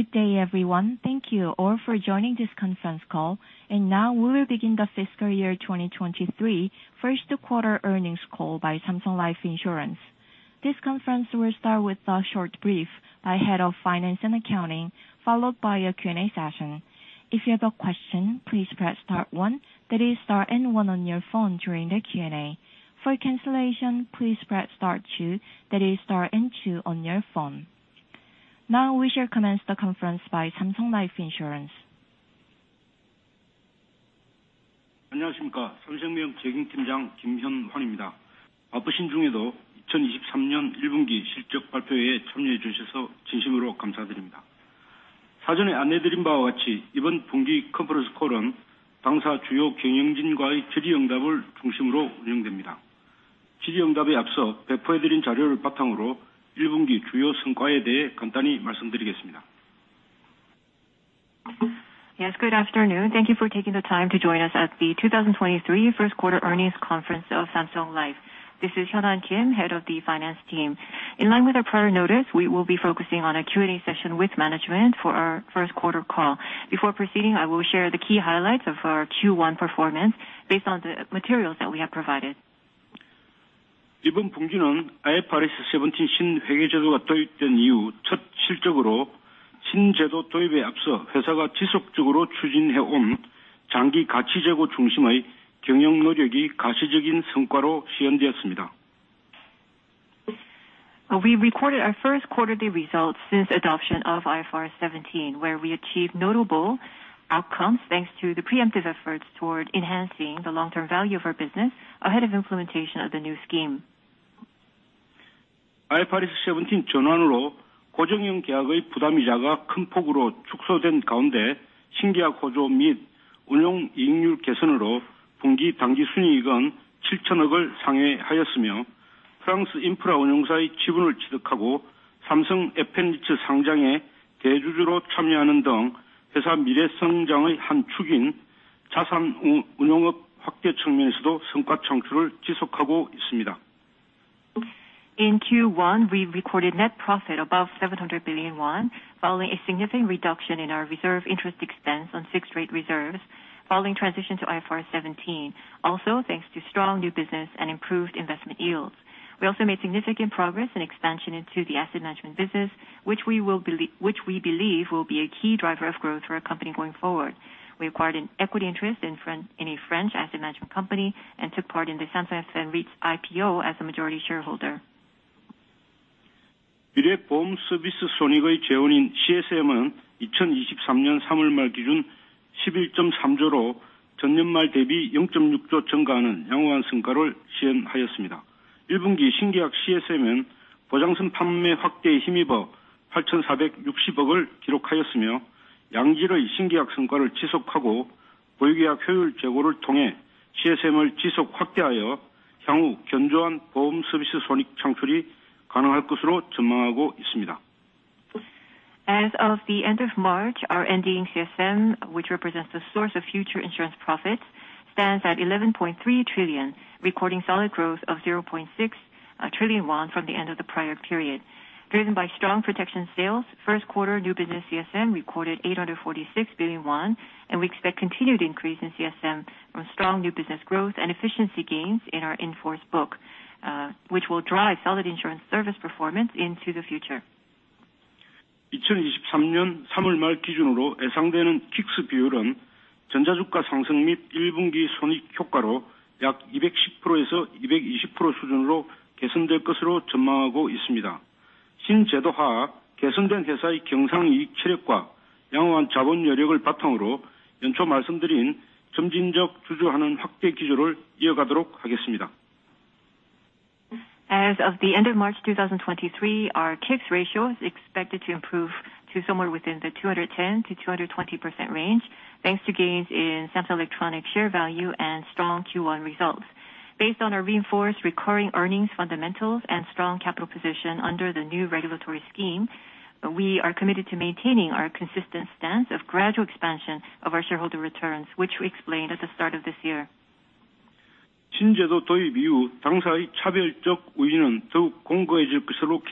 Good day, everyone. Thank you all for joining this conference call. Now we will begin the fiscal year 2023 Q1 earnings call by Samsung Life Insurance. This conference will start with a short brief by Head of Finance and Accounting, followed by a Q&A session. If you have a question, please press star one, that is star and one on your phone during the Q&A. For cancellation, please press star two, that is star and two on your phone. Now we shall commence the conference by Samsung Life Insurance. Yes, good afternoon. Thank you for taking the time to join us at the 2023 Q1 earnings conference of Samsung Life. This is In Hwan Kim, Head of the Finance Team. In line with our prior notice, we will be focusing on a Q&A session with management for our Q1 call. Before proceeding, I will share the key highlights of our Q1 performance based on the materials that we have provided. We recorded our 1st quarterly results since adoption of IFRS 17, where we achieved notable outcomes thanks to the preemptive efforts toward enhancing the long-term value of our business ahead of implementation of the new scheme. In Q1, we recorded net profit above 700 billion won, following a significant reduction in our reserve interest expense on fixed rate reserves following transition to IFRS 17. Also, thanks to strong new business and improved investment yields. We also made significant progress in expansion into the asset management business, which we believe will be a key driver of growth for our company going forward. We acquired an equity interest in a French asset management company and took part in the Samsung FN REITs IPO as a majority shareholder. As of the end of March, our ending CSM, which represents the source of future insurance profits, stands at KRW 11.3 trillion, recording solid growth of KRW 0.6 trillion won from the end of the prior period. Driven by strong protection sales, Q1 new business CSM recorded 846 billion won, and we expect continued increase in CSM from strong new business growth and efficiency gains in our in-force book, which will drive solid insurance service performance into the future. As of the end of March 2023, our K-ICS ratio is expected to improve to somewhere within the 210%-220% range, thanks to gains in Samsung Electronics share value and strong Q1 results. Based on our reinforced recurring earnings fundamentals and strong capital position under the new regulatory scheme, we are committed to maintaining our consistent stance of gradual expansion of our shareholder returns, which we explained at the start of this year. Under the new regulatory framework, we expect our differentiating strengths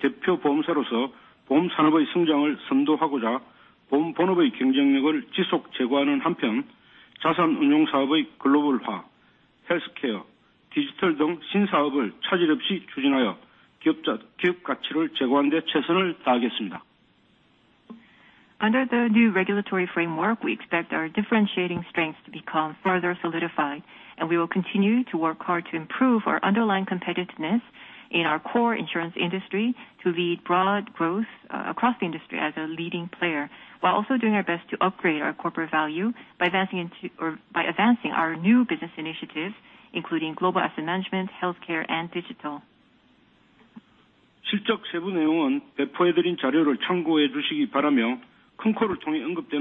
to become further solidified, and we will continue to work hard to improve our underlying competitiveness in our core insurance industry to lead broad growth across the industry as a leading player, while also doing our best to upgrade our corporate value by advancing our new business initiatives, including global asset management, healthcare, and digital. Please refer to the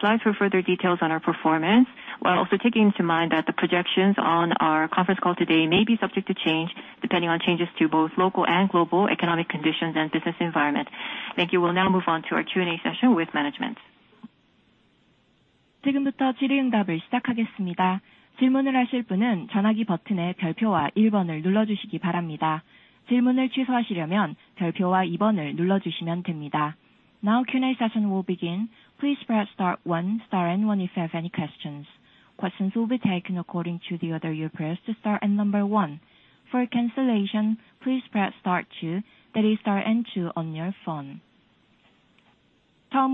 slides for further details on our performance. Also taking into mind that the projections on our conference call today may be subject to change depending on changes to both local and global economic conditions and business environment. Thank you. We'll now move on to our Q&A session with management. Now, Q&A session will begin. Please press star one, star and one if you have any questions. Questions will be taken according to the order you press star and number one. For cancellation, please press star two. That is star and two on your phone. The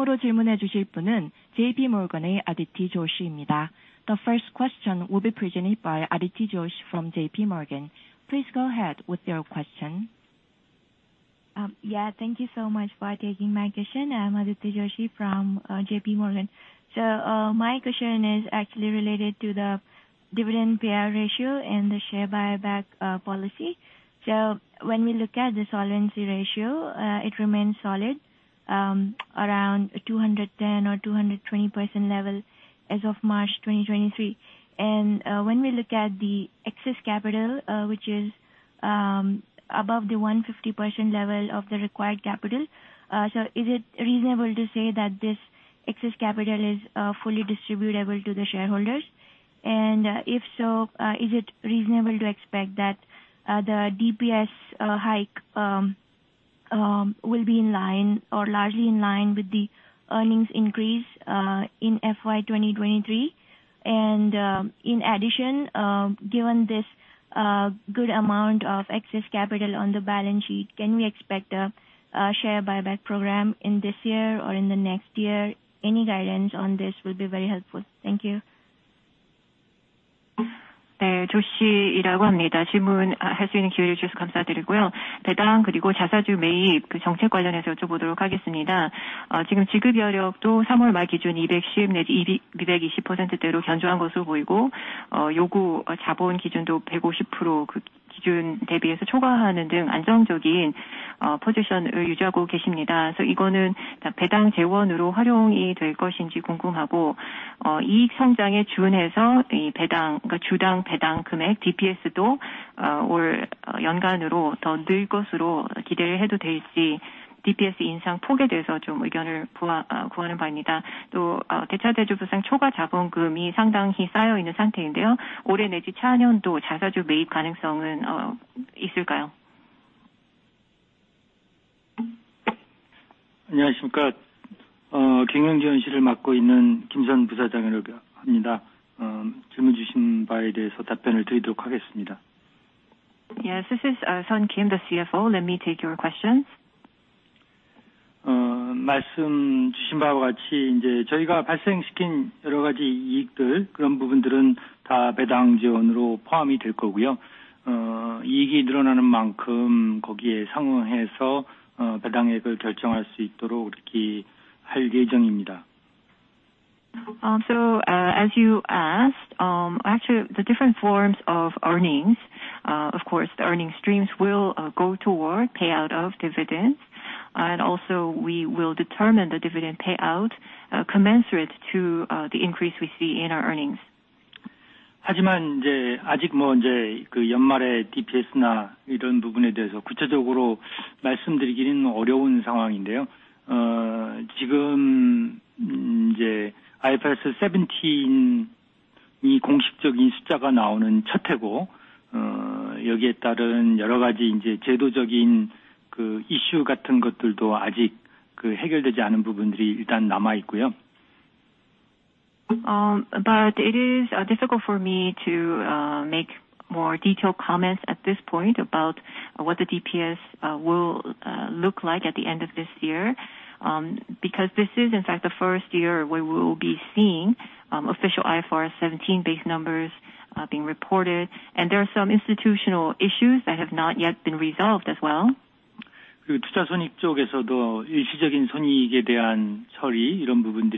first question will be presented by Aditya Joshi from JPMorgan. Please go ahead with your question. Yeah, thank you so much for taking my question. I'm Aditya Joshi from JPMorgan. My question is actually related to the dividend payout ratio and the share buyback policy. When we look at the solvency ratio, it remains solid, around 210% or 220% level as of March 2023. When we look at the excess capital, which is above the 150% level of the required capital, is it reasonable to say that this excess capital is fully distributable to the shareholders? If so, is it reasonable to expect that the DPS hike will be in line or largely in line with the earnings increase in FY 2023? In addition, given this good amount of excess capital on the balance sheet, can we expect a share buyback program in this year or in the next year? Any guidance on this would be very helpful. Thank you. Yes, this is Sun Kim, the CFO. Let me take your questions. As you asked, actually the different forms of earnings, of course, the earning streams will go toward payout of dividends. Also we will determine the dividend payout commensurate to the increase we see in our earnings. But it is difficult for me to make more detailed comments at this point about what the DPS will look like at the end of this year, because this is in fact the first year we will be seeing official IFRS 17 base numbers being reported. There are some institutional issues that have not yet been resolved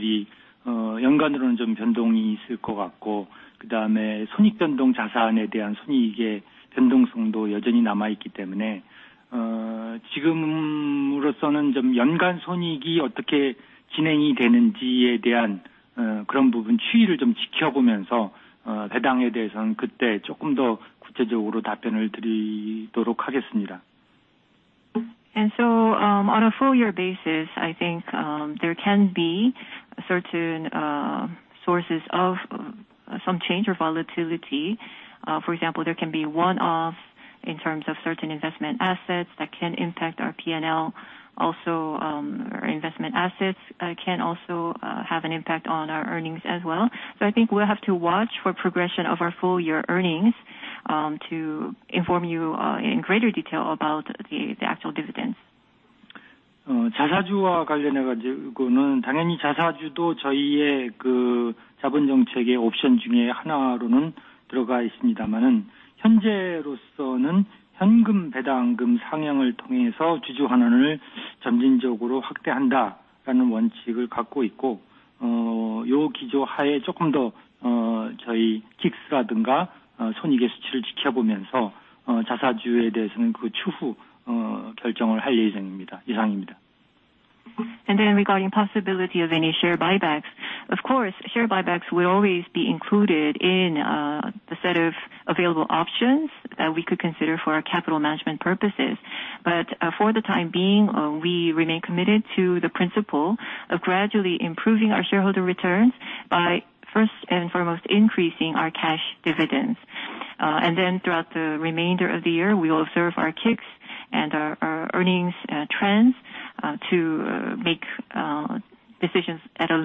as well. So, on a full year basis, I think, there can be certain sources of some change or volatility. For example, there can be one-off in terms of certain investment assets that can impact our P&L also, our investment assets can also have an impact on our earnings as well. I think we'll have to watch for progression of our full year earnings to inform you in greater detail about the actual dividends. Regarding possibility of any share buybacks, of course, share buybacks will always be included in the set of available options that we could consider for our capital management purposes. For the time being, we remain committed to the principle of gradually improving our shareholder returns by first and foremost, increasing our cash dividends. Throughout the remainder of the year, we will observe our K-ICS and our earnings trends to make decisions at a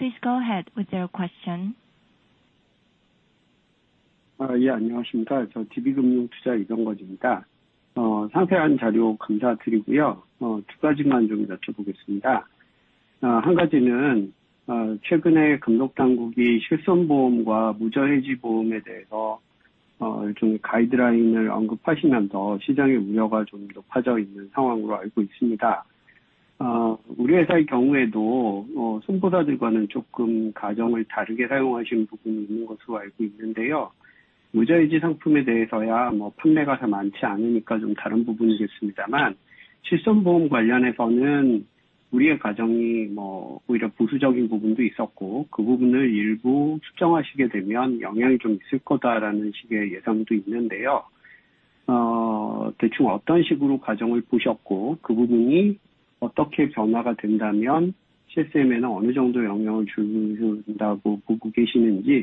later point about any possible share buyback. The next question will be presented by Byung-gon Lee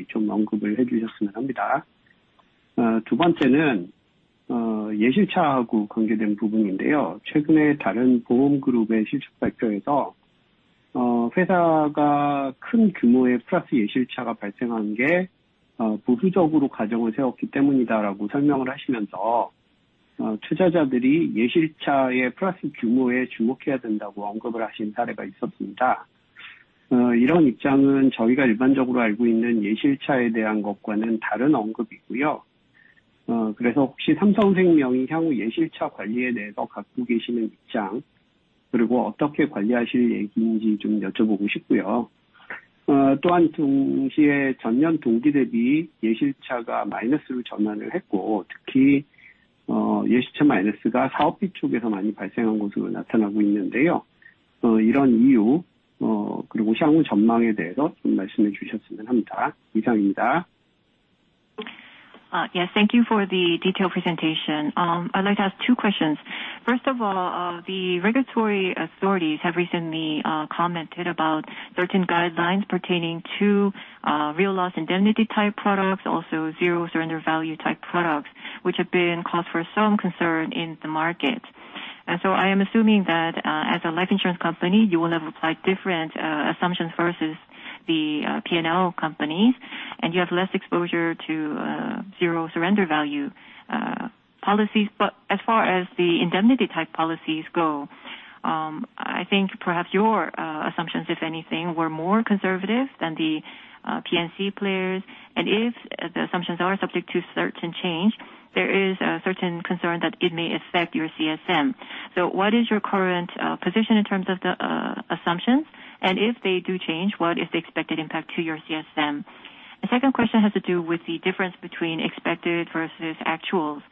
from DB Financial Investment. Please go ahead with your question. Yeah. Yes, thank you for the detailed presentation. I'd like to ask two questions. First of all, the regulatory authorities have recently, commented about certain guidelines pertaining to, real loss indemnity type products, also zero surrender value type products, which have been cause for some concern in the market. I am assuming that, as a life insurance company, you will have applied different, assumptions versus the, P&C companies, and you have less exposure to, zero surrender value, policies. As far as the indemnity type policies go, I think perhaps your, assumptions, if anything, were more conservative than the, P&C players. If the assumptions are subject to certain change, there is a certain concern that it may affect your CSM. What is your current, position in terms of the, assumptions? If they do change, what is the expected impact to your CSM? The second question has to do with the difference between expected versus actuals.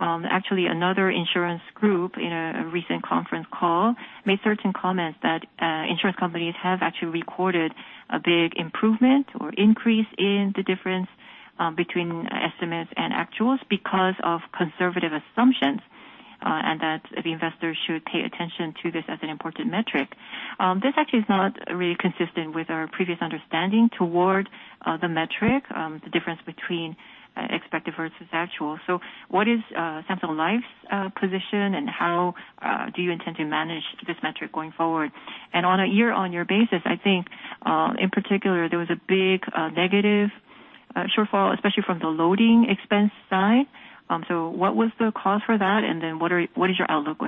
Actually, another insurance group in a recent conference call made certain comments that insurance companies have actually recorded a big improvement or increase in the difference between estimates and actuals because of conservative assumptions, and that the investors should pay attention to this as an important metric. This actually is not really consistent with our previous understanding toward the metric, the difference between expected versus actual. What is Samsung Life's position and how do you intend to manage this metric going forward? On a year-on-year basis, I think, in particular, there was a big negative shortfall, especially from the loading expense side. What was the cause for that? What is your outlook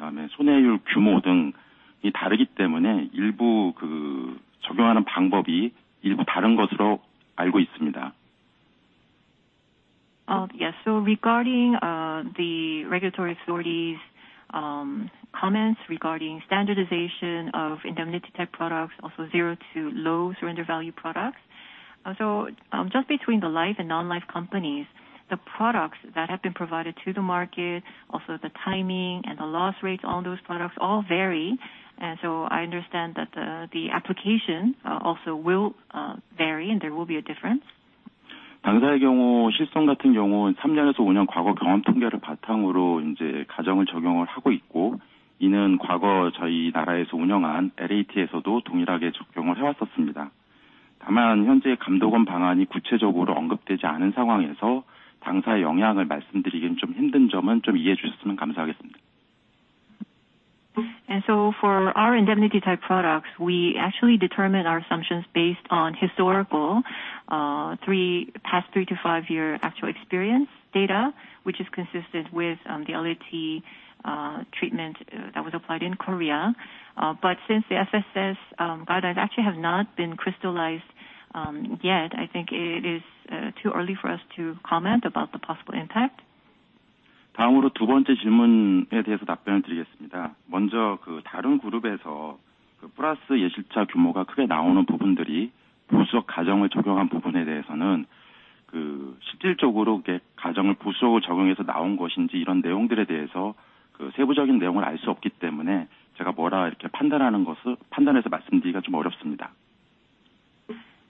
going forward? Yes, this is the head of the actuarial team. Let me answer your question. Yes. Regarding the regulatory authorities, comments regarding standardization of indemnity type products, also zero to low surrender value products. Also, just between the life and non-life companies, the products that have been provided to the market, also the timing and the loss rates on those products all vary. I understand that the application also will vary, and there will be a difference. 다만 현재 감독원 방안이 구체적으로 언급되지 않은 상황에서 당사의 영향을 말씀드리기는 좀 힘든 점은 좀 이해해 주셨으면 감사하겠습니다. For our indemnity type products, we actually determine our assumptions based on historical, past 3-5-year actual experience data, which is consistent with the LAT treatment that was applied in Korea. Since the FSS guidelines actually have not been crystallized yet, I think it is too early for us to comment about the possible impact. 다음으로 두 번째 질문에 대해서 답변을 드리겠습니다. 먼저 그 다른 그룹에서 그 플러스 예실차 규모가 크게 나오는 부분들이 보수적 가정을 적용한 부분에 대해서는 그 실질적으로 그 가정을 보수적으로 적용해서 나온 것인지, 이런 내용들에 대해서 그 세부적인 내용을 알수 없기 때문에 제가 뭐라 이렇게 판단해서 말씀드리기가 좀 어렵습니다.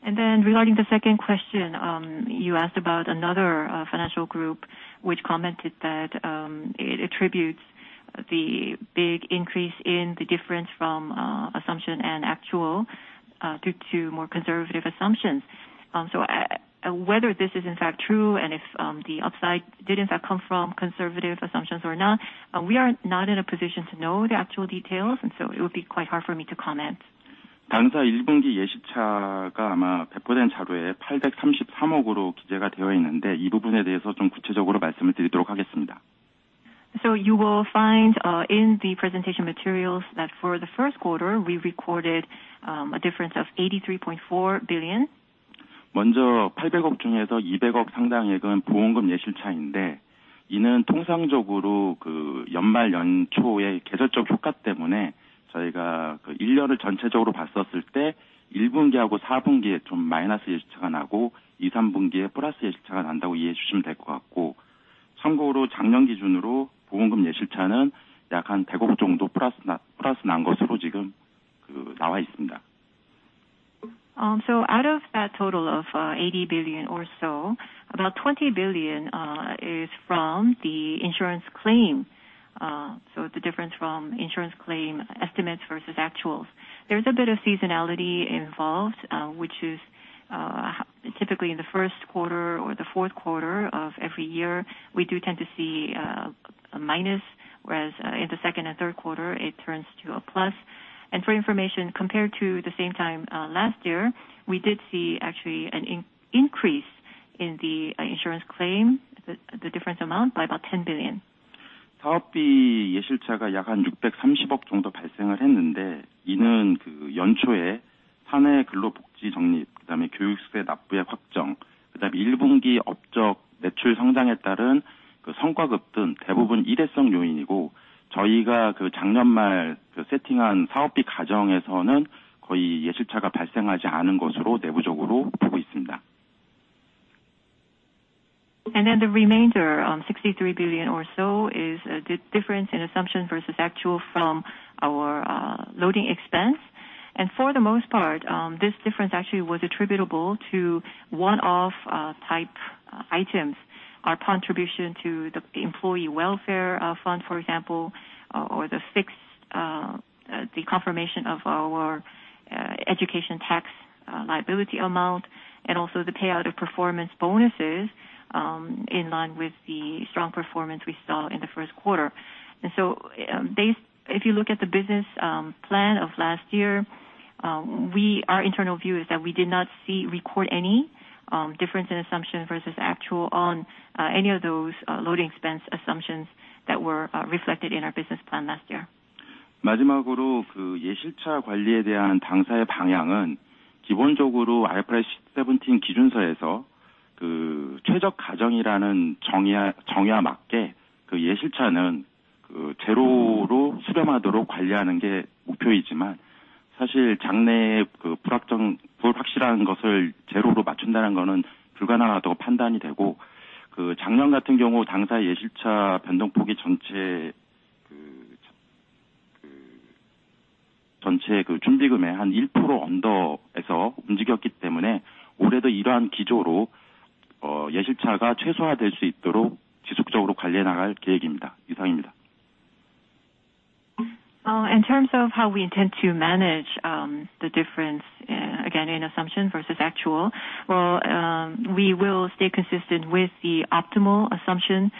Regarding the second question, you asked about another financial group which commented that it attributes the big increase in the difference from assumption and actual due to more conservative assumptions. Whether this is in fact true and if the upside did in fact come from conservative assumptions or not, we are not in a position to know the actual details, it would be quite hard for me to comment. 당사 1분기 예실차가 아마 배포된 자료에 KRW 833억으로 기재가 되어 있는데 이 부분에 대해서 좀 구체적으로 말씀을 드리도록 하겠습니다. You will find, in the presentation materials that for the Q1, we recorded, a difference of 83.4 billion. 먼저 80 billion 중에서 20 billion 상당액은 보험금 예실차인데 이는 통상적으로 그 연말, 연초에 계절적 효과 때문에 저희가 그 1년을 전체적으로 봤었을 때 Q1하고 Q4에 좀 마이너스 예실차가 나고, Q2, Q3에 플러스 예실차가 난다고 이해해 주시면 될것 같고, 참고로 작년 기준으로 보험금 예실차는 약한 10 billion 정도 플러스 난 것으로 지금 그 나와 있습니다. Out of that total of 80 billion or so, about 20 billion is from the insurance claim. The difference from insurance claim estimates versus actuals. There's a bit of seasonality involved, which is typically in the Q1 or the Q4 of every year, we do tend to see minus, whereas in the second and Q3, it turns to a plus. For your information, compared to the same time last year, we did see actually an increase in the insurance claim, the difference amount by about 10 billion. 사업비 예실차가 약한 KRW 630억 정도 발생을 했는데, 이는 연초에 사내 근로복지적립, 다음에 교육세 납부액 확정, 다음에 1분기 업적 매출 성장에 따른 성과급 등 대부분 일회성 요인이고, 저희가 작년 말 세팅한 사업비 과정에서는 거의 예실차가 발생하지 않은 것으로 내부적으로 보고 있습니다. The remainder, 63 billion or so is a difference in assumption versus actual from our loading expense. For the most part, this difference actually was attributable to one-off type items. Our contribution to the employee welfare fund, for example, or the fixed, the confirmation of our education tax liability amount, and also the payout of performance bonuses in line with the strong performance we saw in the Q1. If you look at the business plan of last year, we, our internal view is that we did not see, record any difference in assumption versus actual on any of those loading expense assumptions that were reflected in our business plan last year. 마지막으로 그 예실차 관리에 대한 당사의 방향은 기본적으로 IFRS 17 기준서에서 그 최적 가정이라는 정의와 맞게 그 예실차는 그 제로로 수렴하도록 관리하는 게 목표이지만, 사실 장래의 그 불확정, 불확실한 것을 제로로 맞춘다는 것은 불가능하다고 판단이 되고, 그 작년 같은 경우 당사의 예실차 변동폭이 전체 준비금의 한 1% 언더에서 움직였기 때문에 올해도 이러한 기조로 예실차가 최소화될 수 있도록 지속적으로 관리해 나갈 계획입니다. 이상입니다. In terms of how we intend to manage the difference, again, in assumption versus actual. We will stay consistent with the optimal assumption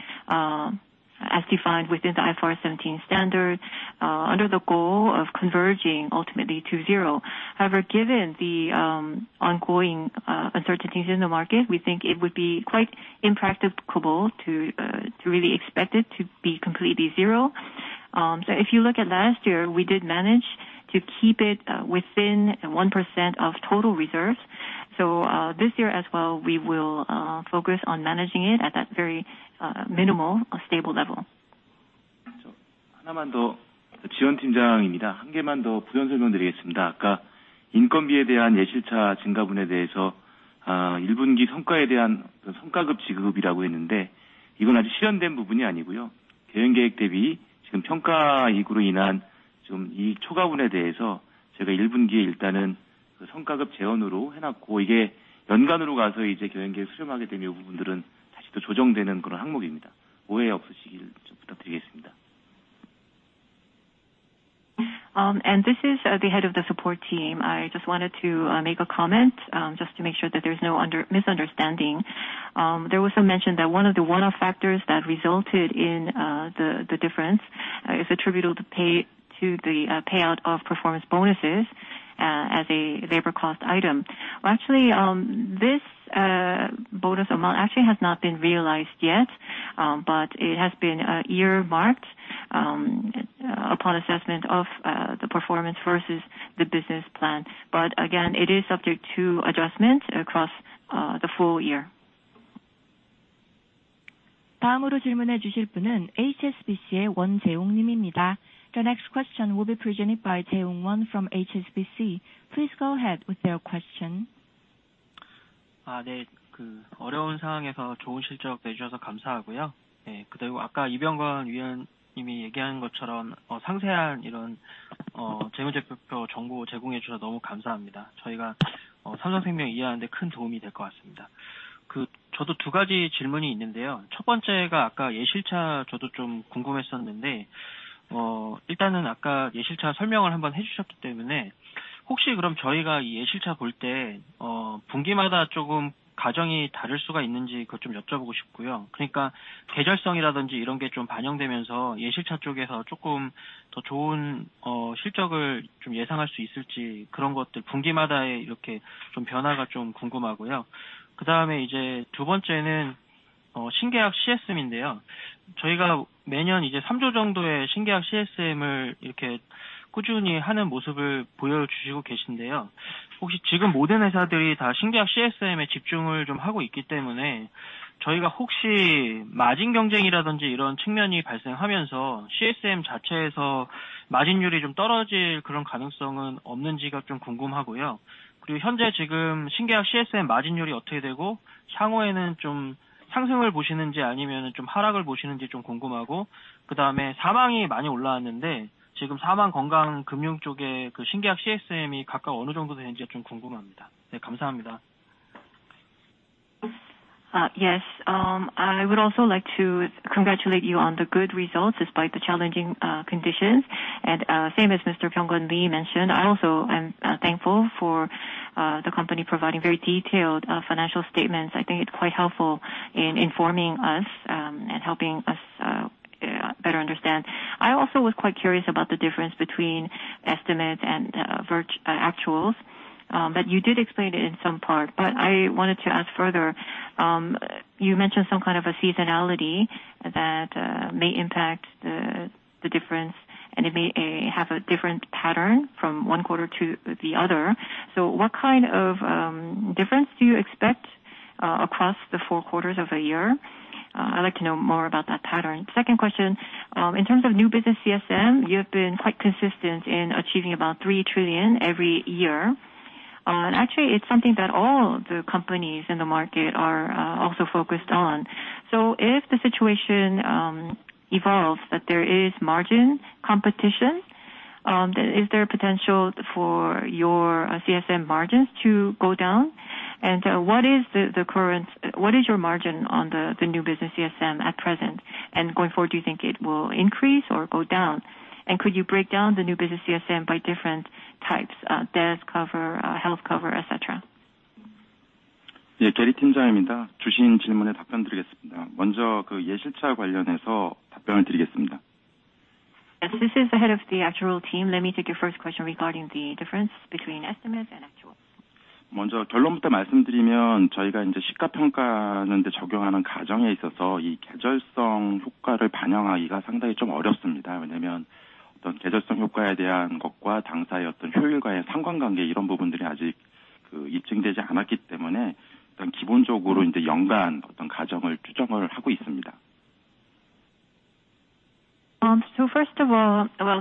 as defined within the IFRS 17 standard, under the goal of converging ultimately to 0. Given the ongoing uncertainties in the market, we think it would be quite impracticable to really expect it to be completely 0. If you look at last year, we did manage to keep it within 1% of total reserves. This year as well, we will focus on managing it at that very minimal stable level. 하나만 더. Team Leader Jiwon. One 개만 더 부연설명 드리겠습니다. 아까 인건비에 대한 예실차 증가분에 대해서 1분기 성과에 대한 어떤 성과급 지급이라고 했는데, 이건 아직 실현된 부분이 아니고요. 경영 계획 대비 지금 평가익으로 인한 지금 이 초과분에 대해서 저희가 1분기에 일단은 그 성과급 재원으로 해놓고, 이게 연간으로 가서 이제 경영계획 수렴하게 되면 이 부분들은 다시 또 조정되는 그런 항목입니다. 오해 없으시길 좀 부탁드리겠습니다. This is the head of the support team. I just wanted to make a comment, just to make sure that there's no misunderstanding. There was a mention that one of the one-off factors that resulted in the difference is attributable to the payout of performance bonuses as a labor cost item. Well, actually, this bonus amount actually has not been realized yet, but it has been year-marked upon assessment of the performance versus the business plan. Again, it is subject to adjustments across the full year. The next question will be presented by Jaewoong Won from HSBC. Please go ahead with your question. Yes. I would also like to congratulate you on the good results despite the challenging conditions. Same as Mr. Byung-gon Lee mentioned, I also am thankful for the company providing very detailed financial statements. I think it's quite helpful in informing us and helping us better understand. I also was quite curious about the difference between estimate and actuals. You did explain it in some part, but I wanted to ask further. You mentioned some kind of a seasonality that may impact the difference, and it may have a different pattern from one quarter to the other. What kind of difference do you expect across the four quarters of a year? I'd like to know more about that pattern. Second question, in terms of new business CSM, you have been quite consistent in achieving about 3 trillion every year. Actually it's something that all the companies in the market are also focused on. If the situation evolves that there is margin competition, is there potential for your CSM margins to go down? What is your margin on the new business CSM at present? Going forward, do you think it will increase or go down? Could you break down the new business CSM by different types, death cover, health cover, et cetera? Yes, this is the head of the actual team. Let me take your first question regarding the difference between estimates and actuals. First of all, well,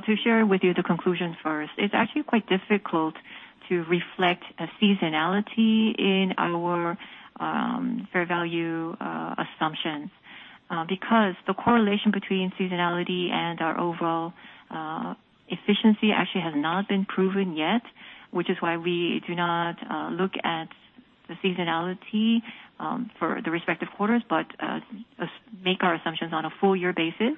to share with you the conclusions first, it's actually quite difficult to reflect a seasonality in our fair value assumptions, because the correlation between seasonality and our overall efficiency actually has not been proven yet, which is why we do not look at the seasonality for the respective quarters, but make our assumptions on a full year basis.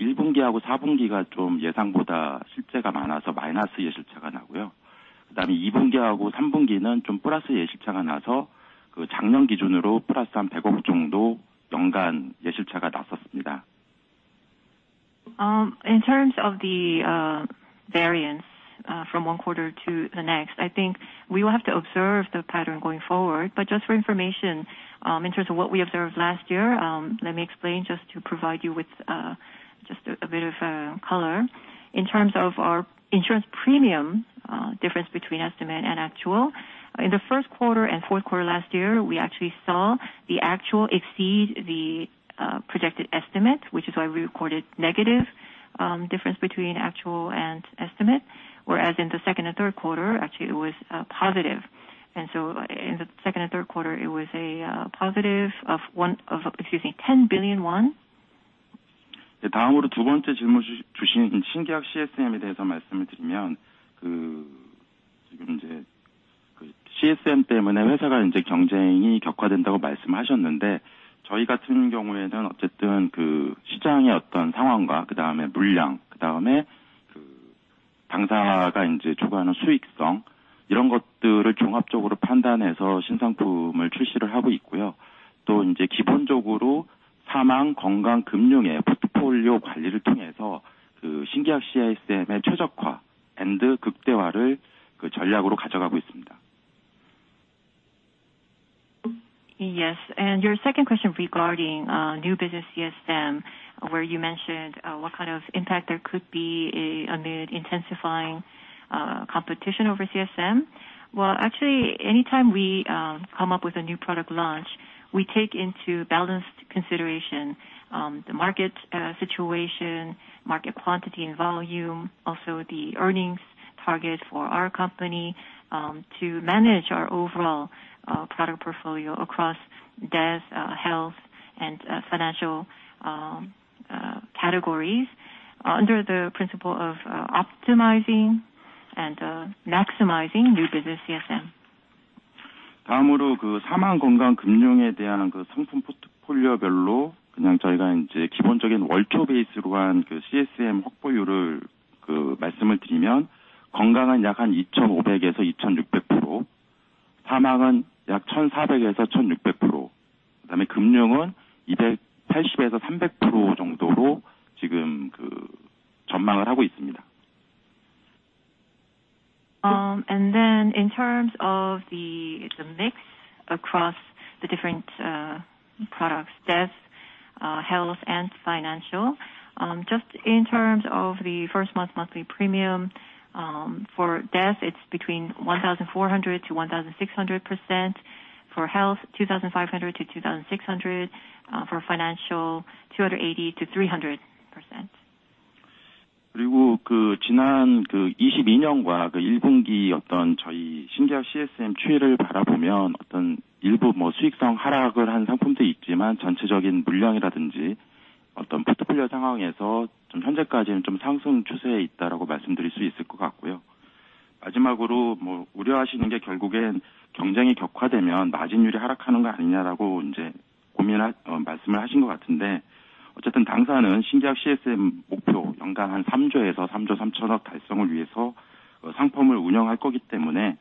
In terms of the variance from one quarter to the next, I think we will have to observe the pattern going forward. But just for information, in terms of what we observed last year, let me explain just to provide you with just a bit of color. In terms of our insurance premium, difference between estimate and actual, in the Q1 and Q4 last year, we actually saw the actual exceed the projected estimate, which is why we recorded negative difference between actual and estimate. Whereas in the Q2 and Q3, actually it was positive. In the Q2 and Q3 it was a positive of 10 billion won. 다음으로 second 질문 주신 신계약 CSM에 대해서 말씀을 드리면, 지금 이제 CSM 때문에 회사가 이제 경쟁이 격화된다고 말씀하셨는데 저희 같은 경우에는 어쨌든 시장의 어떤 상황과 그다음에 물량, 그다음에 당사가 이제 추구하는 수익성 이런 것들을 종합적으로 판단해서 신상품을 출시를 하고 있고요. 또 이제 기본적으로 사망, 건강, 금융의 포트폴리오 관리를 통해서 신계약 CSM의 최적화 앤드 극대화를 전략으로 가져가고 있습니다. Yes. Your second question regarding new business CSM, where you mentioned what kind of impact there could be amid intensifying competition over CSM. Well, actually, anytime we come up with a new product launch, we take into balanced consideration the market situation, market quantity and volume. Also the earnings target for our company to manage our overall product portfolio across death, health and financial categories under the principle of optimizing and maximizing new business CSM. 다음으로 그 사망, 건강, 금융에 대한 그 상품 포트폴리오별로 그냥 저희가 이제 기본적인 월초 베이스로 한 CSM 확보율을 그 말씀을 드리면 건강은 약한 2,500%-2,600%, 사망은 약 1,400%-1,600%, 그다음에 금융은 280%-300% 정도로 지금 그 전망을 하고 있습니다. In terms of the mix across the different products, deaths, health and financial, just in terms of the first month monthly premium, for death, it's between 1,400%-1,600%. For health, 2,500%-2,600%. For financial, 280%-300%. 그 지난 그 2022년과 그 Q1 어떤 저희 신계약 CSM 추이를 바라보면 어떤 일부 뭐 수익성 하락을 한 상품도 있지만, 전체적인 물량이라든지 어떤 포트폴리오 상황에서 좀 현재까지는 좀 상승 추세에 있다라고 말씀드릴 수 있을 것 같고요. 마지막으로 뭐 우려하시는 게 결국엔 경쟁이 격화되면 마진율이 하락하는 거 아니냐라고 이제 고민할 말씀을 하신 것 같은데 어쨌든 당사는 신계약 CSM 목표 연간 한 3 trillion-3.3 trillion 달성을 위해서 상품을 운영할 거기 때문에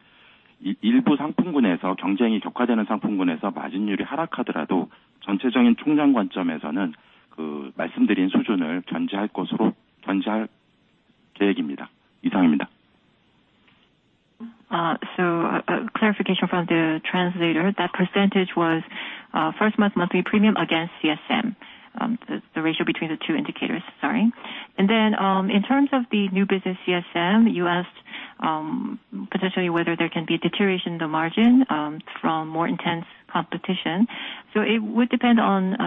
일부 상품군에서 경쟁이 격화되는 상품군에서 마진율이 하락하더라도 전체적인 총량 관점에서는 그 말씀드린 수준을 견지할 것으로 견지할 계획입니다. 이상입니다. A clarification from the translator. That percentage was first month monthly premium against CSM. The ratio between the two indicators. Sorry. In terms of the new business CSM, you asked potentially whether there can be a deterioration in the margin from more intense competition. It would depend on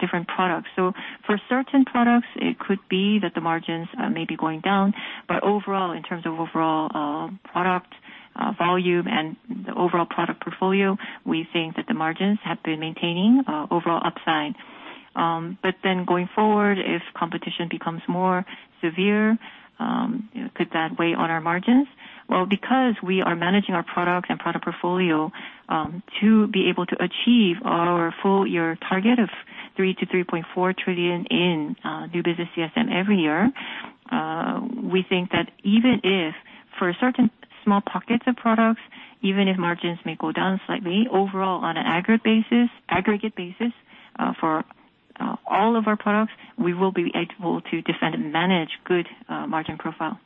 different products. For certain products, it could be that the margins may be going down. Overall, in terms of overall product volume and the overall product portfolio, we think that the margins have been maintaining overall upside. Going forward, if competition becomes more severe, could that weigh on our margins? Well, because we are managing our product and product portfolio, to be able to achieve our full year target of 3 trillion-3.4 trillion in new business CSM every year, we think that even if for certain small pockets of products, even if margins may go down slightly overall on an aggregate basis, for all of our products, we will be able to defend and manage good, margin profile.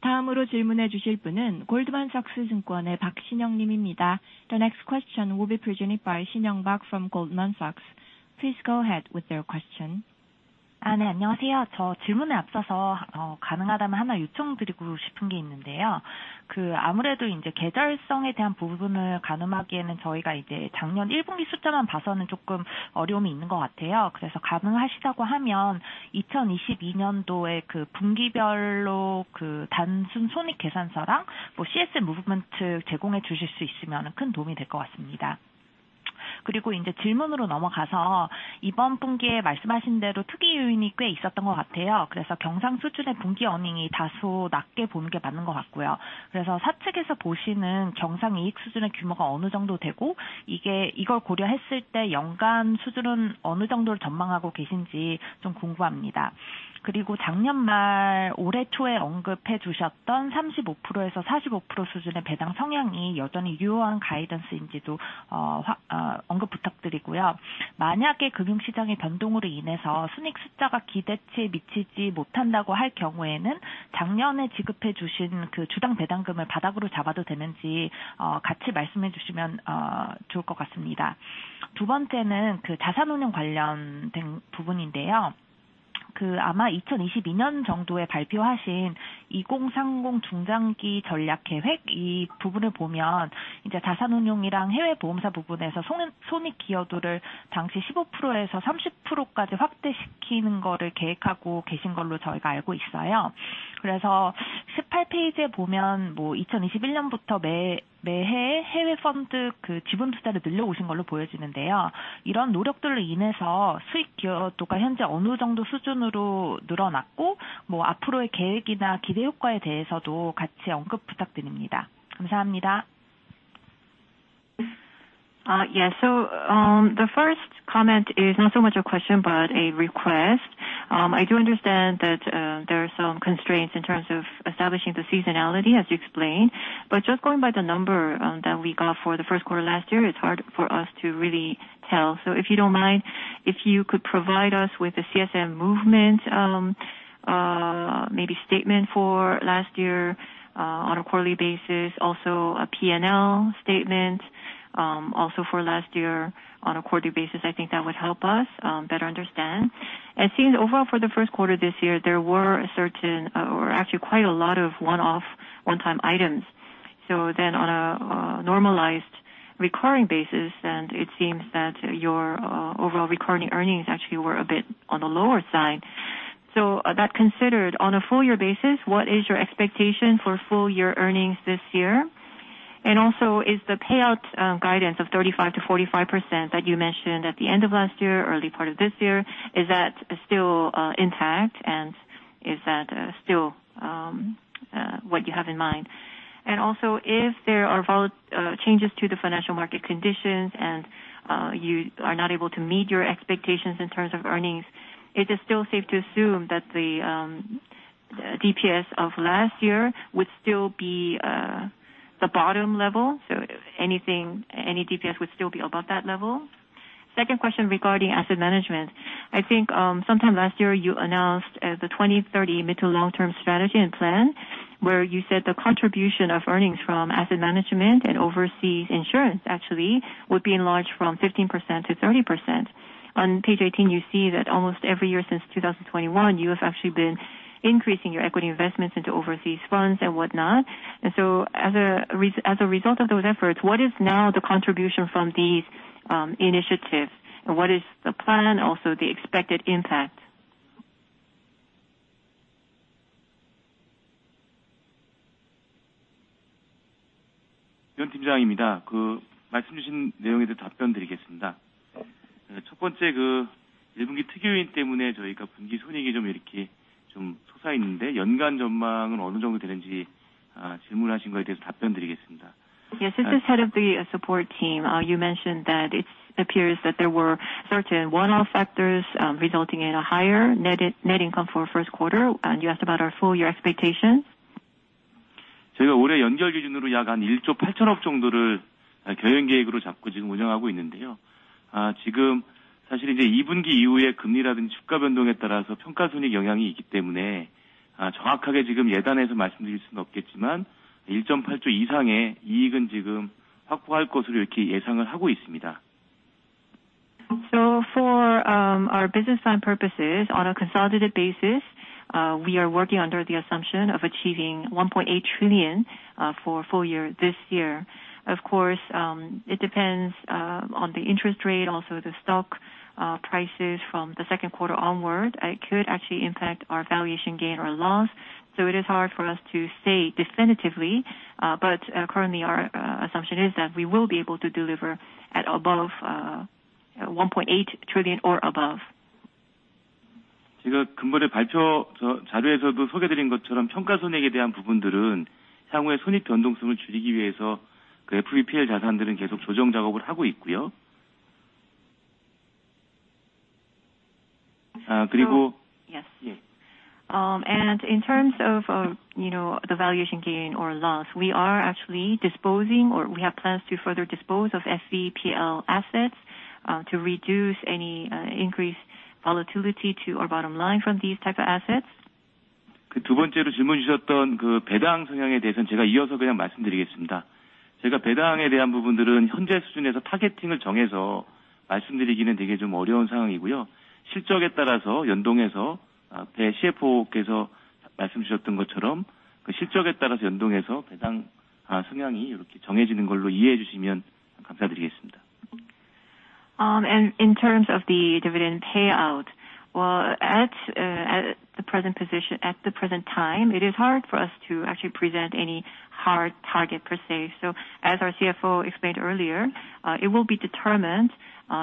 다음으로 질문해 주실 분은 골드만삭스 증권의 박신영 님입니다. The next question will be presented by Sinyoung Park from Goldman Sachs. Please go ahead with your question. 네, 안녕하세요. 저 질문에 앞서서 가능하다면 하나 요청드리고 싶은 게 있는데요. 아무래도 계절성에 대한 부분을 가늠하기에는 저희가 작년 Q1 숫자만 봐서는 조금 어려움이 있는 것 같아요. 그래서 가능하시다고 하면 2022년도에 분기별로 단순 손익계산서랑 뭐 CSM 무브먼트 제공해 주실 수 있으면 큰 도움이 될것 같습니다. 그리고 질문으로 넘어가서 이번 분기에 말씀하신 대로 특이 요인이 꽤 있었던 것 같아요. 그래서 경상 수준의 분기 어닝이 다소 낮게 보는 게 맞는 것 같고요. 그래서 사측에서 보시는 경상 이익 수준의 규모가 어느 정도 되고, 이게 이걸 고려했을 때 연간 수준은 어느 정도를 전망하고 계신지 좀 궁금합니다? 그리고 작년 말 올해 초에 언급해 주셨던 35%-45% 수준의 배당 성향이 여전히 유효한 가이던스인지도 언급 부탁드리고요? 만약에 금융시장의 변동으로 인해서 순익 숫자가 기대치에 미치지 못한다고 할 경우에는 작년에 지급해 주신 그 주당 배당금을 바닥으로 잡아도 되는지 같이 말씀해 주시면 좋을 것 같습니다. 두 번째는 그 자산운용 관련된 부분인데요. 아마 2022년 정도에 발표하신 2030 중장기 전략 계획, 이 부분을 보면 이제 자산운용이랑 해외 보험사 부분에서 손익 기여도를 당시 15%에서 30%까지 확대시키는 거를 계획하고 계신 걸로 저희가 알고 있어요. 18페이지에 보면 2021년부터 매해 해외 펀드 그 지분 투자를 늘려오신 걸로 보여지는데요. 이런 노력들로 인해서 수익 기여도가 현재 어느 정도 수준으로 늘어났고, 앞으로의 계획이나 기대 효과에 대해서도 같이 언급 부탁드립니다. 감사합니다. Yes. The first comment is not so much a question but a request. I do understand that there are some constraints in terms of establishing the seasonality as you explained, but just going by the number that we got for the Q1 last year, it's hard for us to really tell. If you don't mind, if you could provide us with the CSM movement, maybe statement for last year, on a quarterly basis, also a P&L statement, also for last year on a quarterly basis, I think that would help us better understand. It seems overall for the Q1 this year there were a certain or actually quite a lot of one-off one-time items. On a normalized recurring basis, and it seems that your overall recurring earnings actually were a bit on the lower side. That considered, on a full year basis, what is your expectation for full year earnings this year? Also is the payout guidance of 35%-45% that you mentioned at the end of last year, early part of this year, is that still intact, and is that still what you have in mind? Also if there are changes to the financial market conditions and you are not able to meet your expectations in terms of earnings, is it still safe to assume that the DPS of last year would still be the bottom level? Anything, any DPS would still be above that level. Second question regarding asset management. I think, sometime last year you announced the 2030 mid to long-term strategy and plan, where you said the contribution of earnings from asset management and overseas insurance actually would be enlarged from 15% to 30%. On page 18, you see that almost every year since 2021, you have actually been increasing your equity investments into overseas funds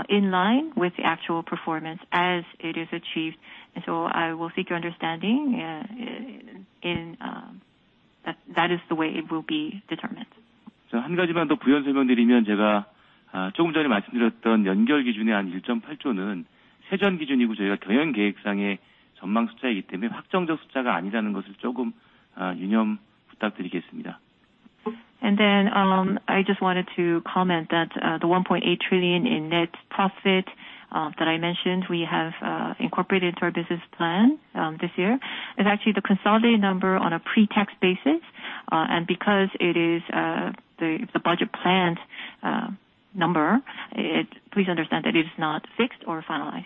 in line with the actual performance as it is achieved. I will seek your understanding in that is the way it will be determined. I just wanted to comment that the 1.8 trillion in net profit that I mentioned, we have incorporated into our business plan this year, is actually the consolidated number on a pre-tax basis. Because it is the budget planned number, please understand that it is not fixed or finalized.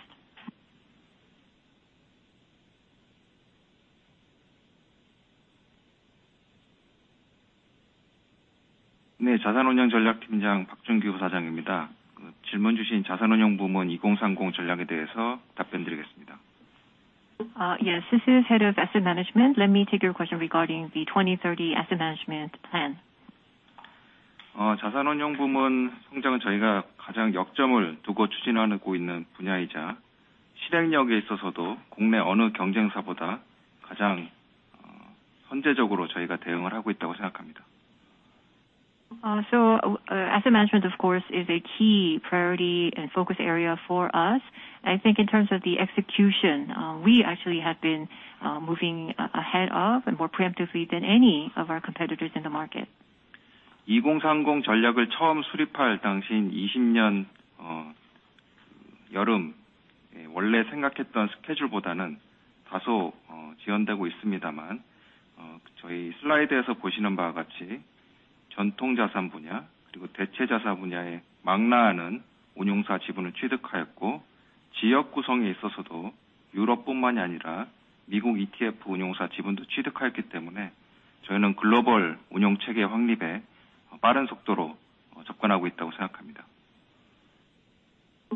Yes. This is head of asset management. Let me take your question regarding the 2030 Asset Management Plan. 선제적으로 저희가 대응을 하고 있다고 생각합니다. Asset management of course is a key priority and focus area for us. I think in terms of the execution, we actually have been moving ahead of and more preemptively than any of our competitors in the market. 2030 전략을 처음 수립할 당시인 20년 여름에 원래 생각했던 스케줄보다는 다소 지연되고 있습니다만, 저희 슬라이드에서 보시는 바와 같이 전통 자산 분야 그리고 대체 자산 분야의 망라하는 운용사 지분을 취득하였고, 지역 구성에 있어서도 유럽뿐만이 아니라 미국 ETF 운용사 지분도 취득하였기 때문에 저희는 글로벌 운용체계 확립에 빠른 속도로 접근하고 있다고 생각합니다.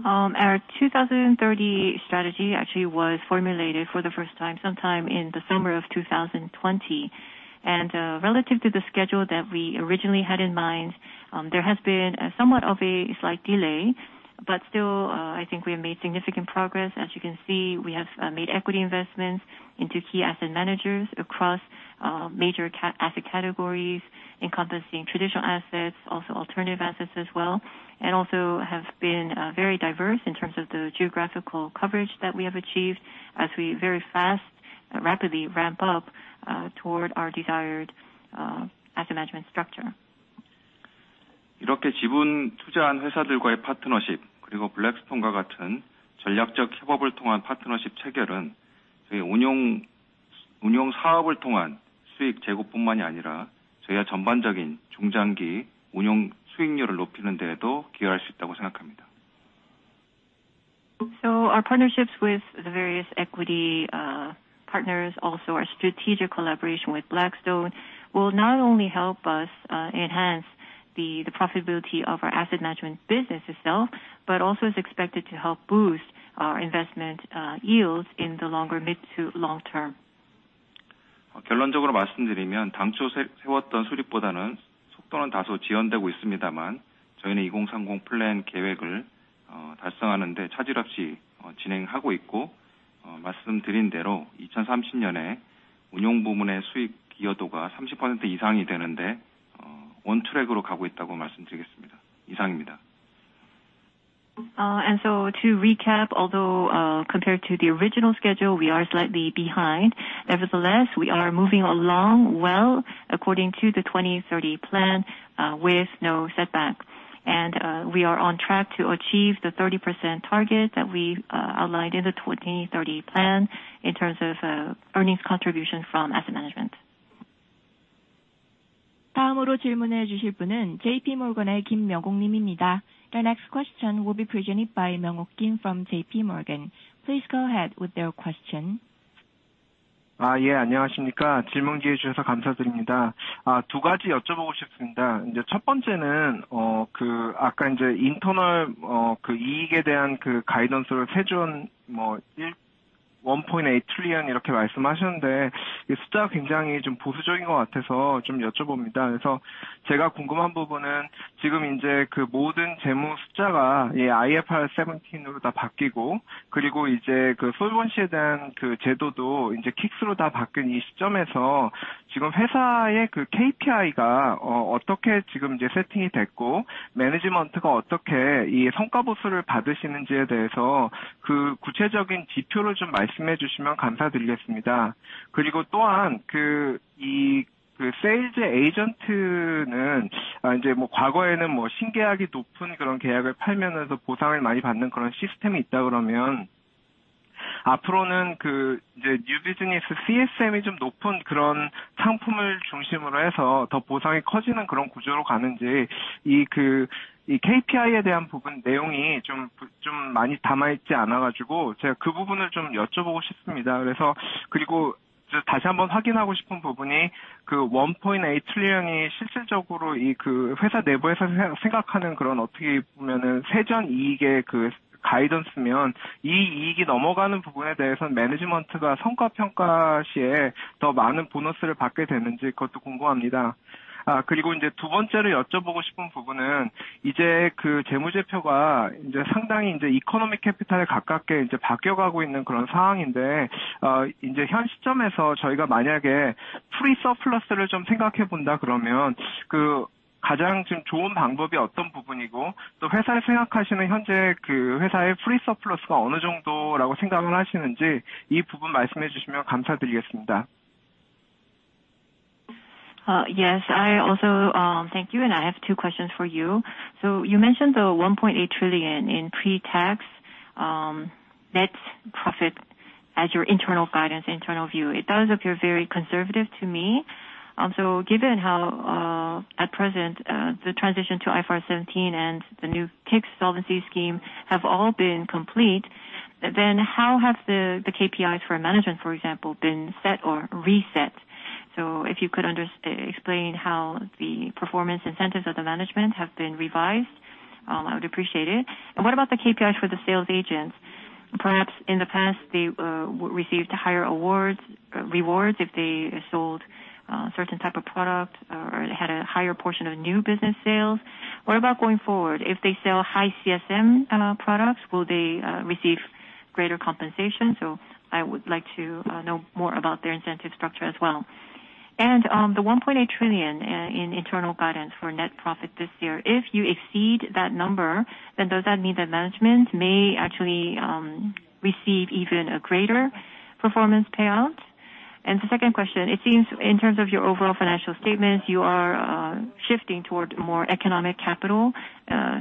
Our 2030 strategy actually was formulated for the first time sometime in the summer of 2020. Relative to the schedule that we originally had in mind, there has been somewhat of a slight delay, but still, I think we have made significant progress. As you can see, we have made equity investments into key asset managers across major asset categories encompassing traditional assets, also alternative assets as well, and also have been very diverse in terms of the geographical coverage that we have achieved as we very fast rapidly ramp up toward our desired asset management structure. 이렇게 지분 투자한 회사들과의 파트너십, 그리고 Blackstone과 같은 전략적 협업을 통한 파트너십 체결은 저희 운용 사업을 통한 수익 제고뿐만이 아니라 저희의 전반적인 중장기 운용 수익률을 높이는 데에도 기여할 수 있다고 생각합니다. Our partnerships with the various equity partners, also our strategic collaboration with Blackstone will not only help us enhance the profitability of our asset management business itself, but also is expected to help boost our investment yields in the longer mid to long term. 결론적으로 말씀드리면 당초 세웠던 수립보다는 속도는 다소 지연되고 있습니다만 저희는 2030 플랜 계획을 달성하는데 차질 없이 진행하고 있고, 말씀드린 대로 2030년에 운용 부문의 수익 기여도가 30% 이상이 되는데, 온트랙으로 가고 있다고 말씀드리겠습니다. 이상입니다. To recap, although, compared to the original schedule, we are slightly behind. Nevertheless, we are moving along well according to the 2030 plan, with no setback. We are on track to achieve the 30% target that we outlined in the 2030 plan in terms of earnings contribution from asset management. Next, the person who will ask a question is MW Kim from JPMorgan. The next question will be presented by MW Kim from JPMorgan. Please go ahead with your question. 예, 안녕하십니까? 질문 기회 주셔서 감사드립니다. 두 가지 여쭤보고 싶습니다. 첫 번째는, 아까 internal 이익에 대한 가이던스를 1.8 trillion 이렇게 말씀하셨는데 이 숫자가 굉장히 좀 보수적인 것 같아서 좀 여쭤봅니다. 제가 궁금한 부분은 지금 모든 재무 숫자가 IFRS 17으로 다 바뀌고, 솔벤시에 대한 제도도 K-ICS로 다 바뀐 이 시점에서 지금 회사의 KPI가 어떻게 지금 세팅이 됐고, management가 어떻게 이 성과 보수를 받으시는지에 대해서 그 구체적인 지표를 좀 말씀해 주시면 감사드리겠습니다. sales agent는 과거에는 신계약이 높은 그런 계약을 팔면 해서 보상을 많이 받는 그런 시스템이 있다 그러면 앞으로는 new business CSM이 좀 높은 그런 상품을 중심으로 해서 더 보상이 커지는 그런 구조로 가는지. 이 KPI에 대한 부분 내용이 좀 많이 담아있지 않아 가지고 제가 그 부분을 좀 여쭤보고 싶습니다. 저 다시 한번 확인하고 싶은 부분이 그 1.8 trillion이 실질적으로 회사 내부에서 생각하는 그런 어떻게 보면은 세전이익의 그 가이던스면 이 이익이 넘어가는 부분에 대해서는 management가 성과 평가 시에 더 많은 보너스를 받게 되는지 그것도 궁금합니다. 이제 두 번째로 여쭤보고 싶은 부분은 이제 그 재무제표가 이제 상당히 이제 economic capital에 가깝게 이제 바뀌어 가고 있는 그런 상황인데, 이제 현 시점에서 저희가 만약에 free surplus를 좀 생각해 본다 그러면 그 가장 지금 좋은 방법이 어떤 부분이고, 또 회사에서 생각하시는 현재 그 회사의 free surplus가 어느 정도라고 생각을 하시는지 이 부분 말씀해 주시면 감사드리겠습니다. Yes, I also thank you. I have two questions for you. You mentioned the 1.8 trillion in pre-tax net profit as your internal guidance, internal view. It does appear very conservative to me. Given how, at present, the transition to IFRS 17 and the new K-ICS solvency scheme have all been complete, how have the KPIs for management, for example, been set or reset? If you could explain how the performance incentives of the management have been revised, I would appreciate it. What about the KPIs for the sales agents? Perhaps in the past, they received higher awards, rewards if they sold certain type of products. A higher portion of new business sales. What about going forward? If they sell high CSM products, will they receive greater compensation? I would like to know more about their incentive structure as well. The 1.8 trillion in internal guidance for net profit this year, if you exceed that number, then does that mean that management may actually receive even a greater performance payout? The second question, it seems in terms of your overall financial statements, you are shifting towards more economic capital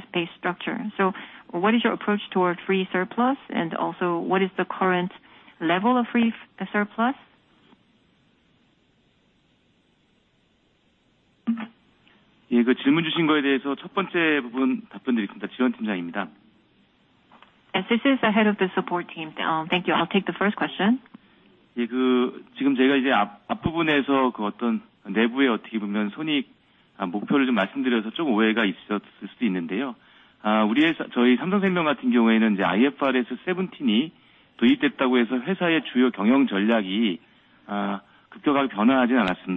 space structure. What is your approach toward free surplus? Also, what is the current level of free surplus? Yes, this is the head of the support team. Thank you. I'll take the first question. I just wanted to clarify, just in case that there may have been any misunderstanding regarding the internal guidance that I talked about earlier. With the adoption of IFRS 17, that however does not mean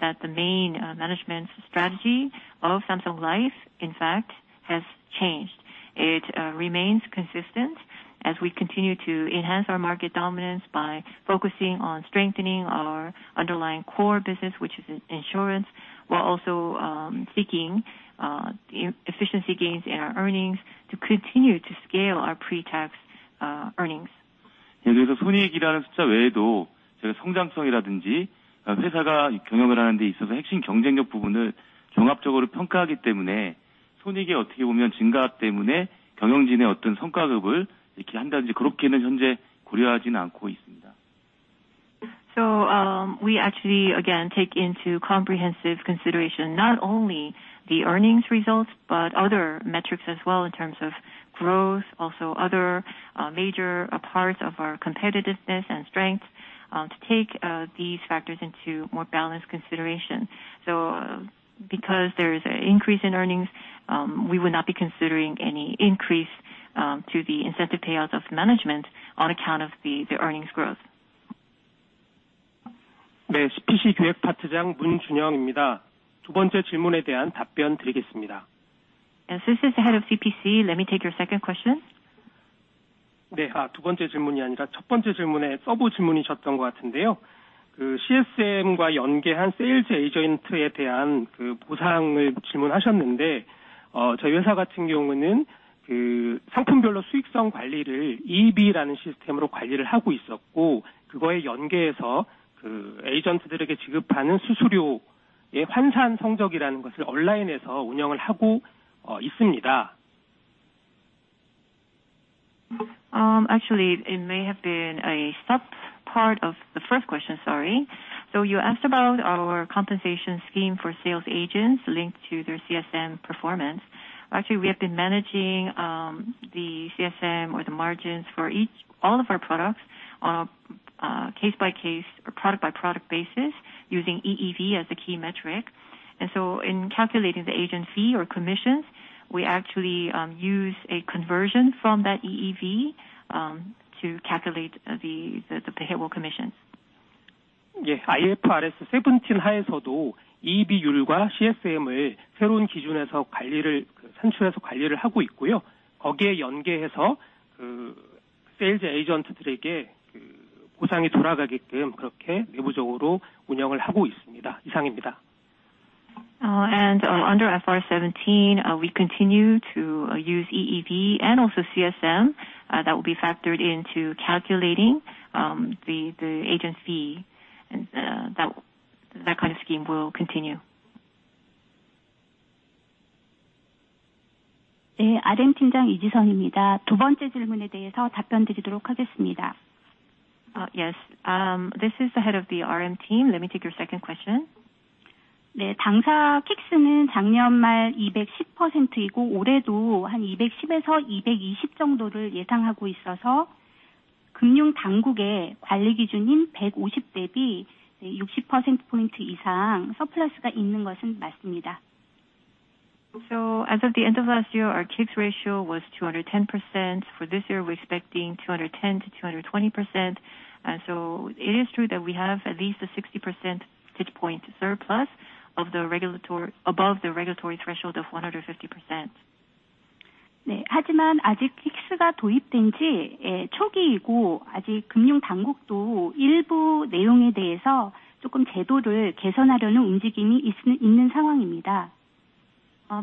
that the main management strategy of Samsung Life, in fact, has changed. It remains consistent as we continue to enhance our market dominance by focusing on strengthening our underlying core business, which is in-insurance, while also seeking e-efficiency gains in our earnings to continue to scale our pre-tax earnings. We actually again take into comprehensive consideration not only the earnings results, but other metrics as well in terms of growth, also other major parts of our competitiveness and strength, to take these factors into more balanced consideration. Because there is an increase in earnings, we would not be considering any increase to the incentive payouts of management on account of the earnings growth. Yes, this is the head of CPC. Let me take your second question. Actually it may have been a sub part of the first question. Sorry. You asked about our compensation scheme for sales agents linked to their CSM performance. Actually, we have been managing the CSM or the margins for all of our products on a case by case or product by product basis using EEV as the key metric. In calculating the agent fee or commissions, we actually use a conversion from that EEV to calculate the payable commissions. Under IFRS 17, we continue to use EEV and also CSM that will be factored into calculating the agent fee. That kind of scheme will continue. Yes. This is the head of the RM team. Let me take your second question. As of the end of last year, our K-ICS ratio was 210%. For this year, we're expecting 210%-220%. It is true that we have at least a 60 percentage point surplus above the regulatory threshold of 150%.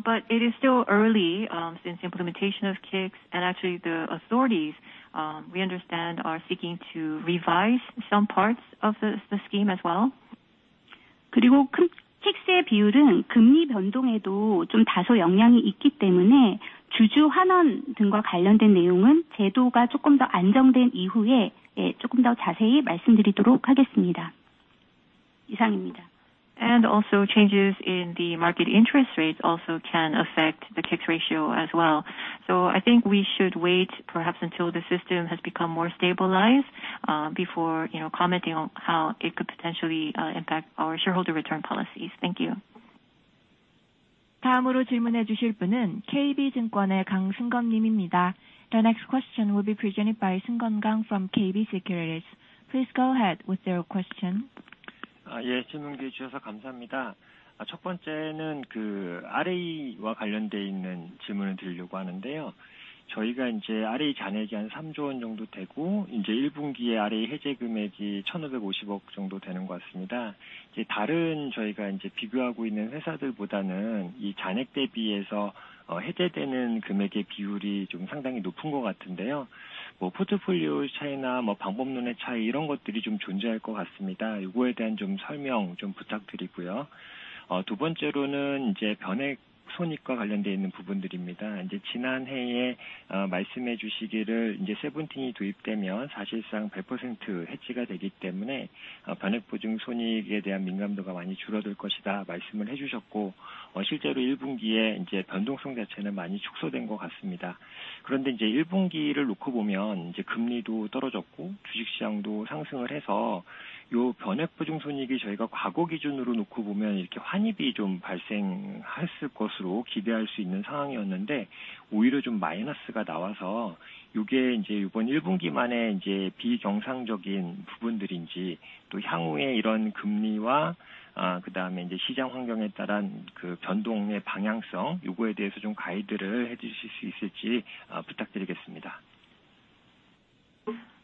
But it is still early, since the implementation of K-ICS and actually the authorities, we understand are seeking to revise some parts of the scheme as well. Changes in the market interest rates also can affect the K-ICS ratio as well. I think we should wait perhaps until the system has become more stabilized, before, you know, commenting on how it could potentially impact our shareholder return policies. Thank you. The next question will be presented by Seung-gun Kang from KB Securities. Please go ahead with your question.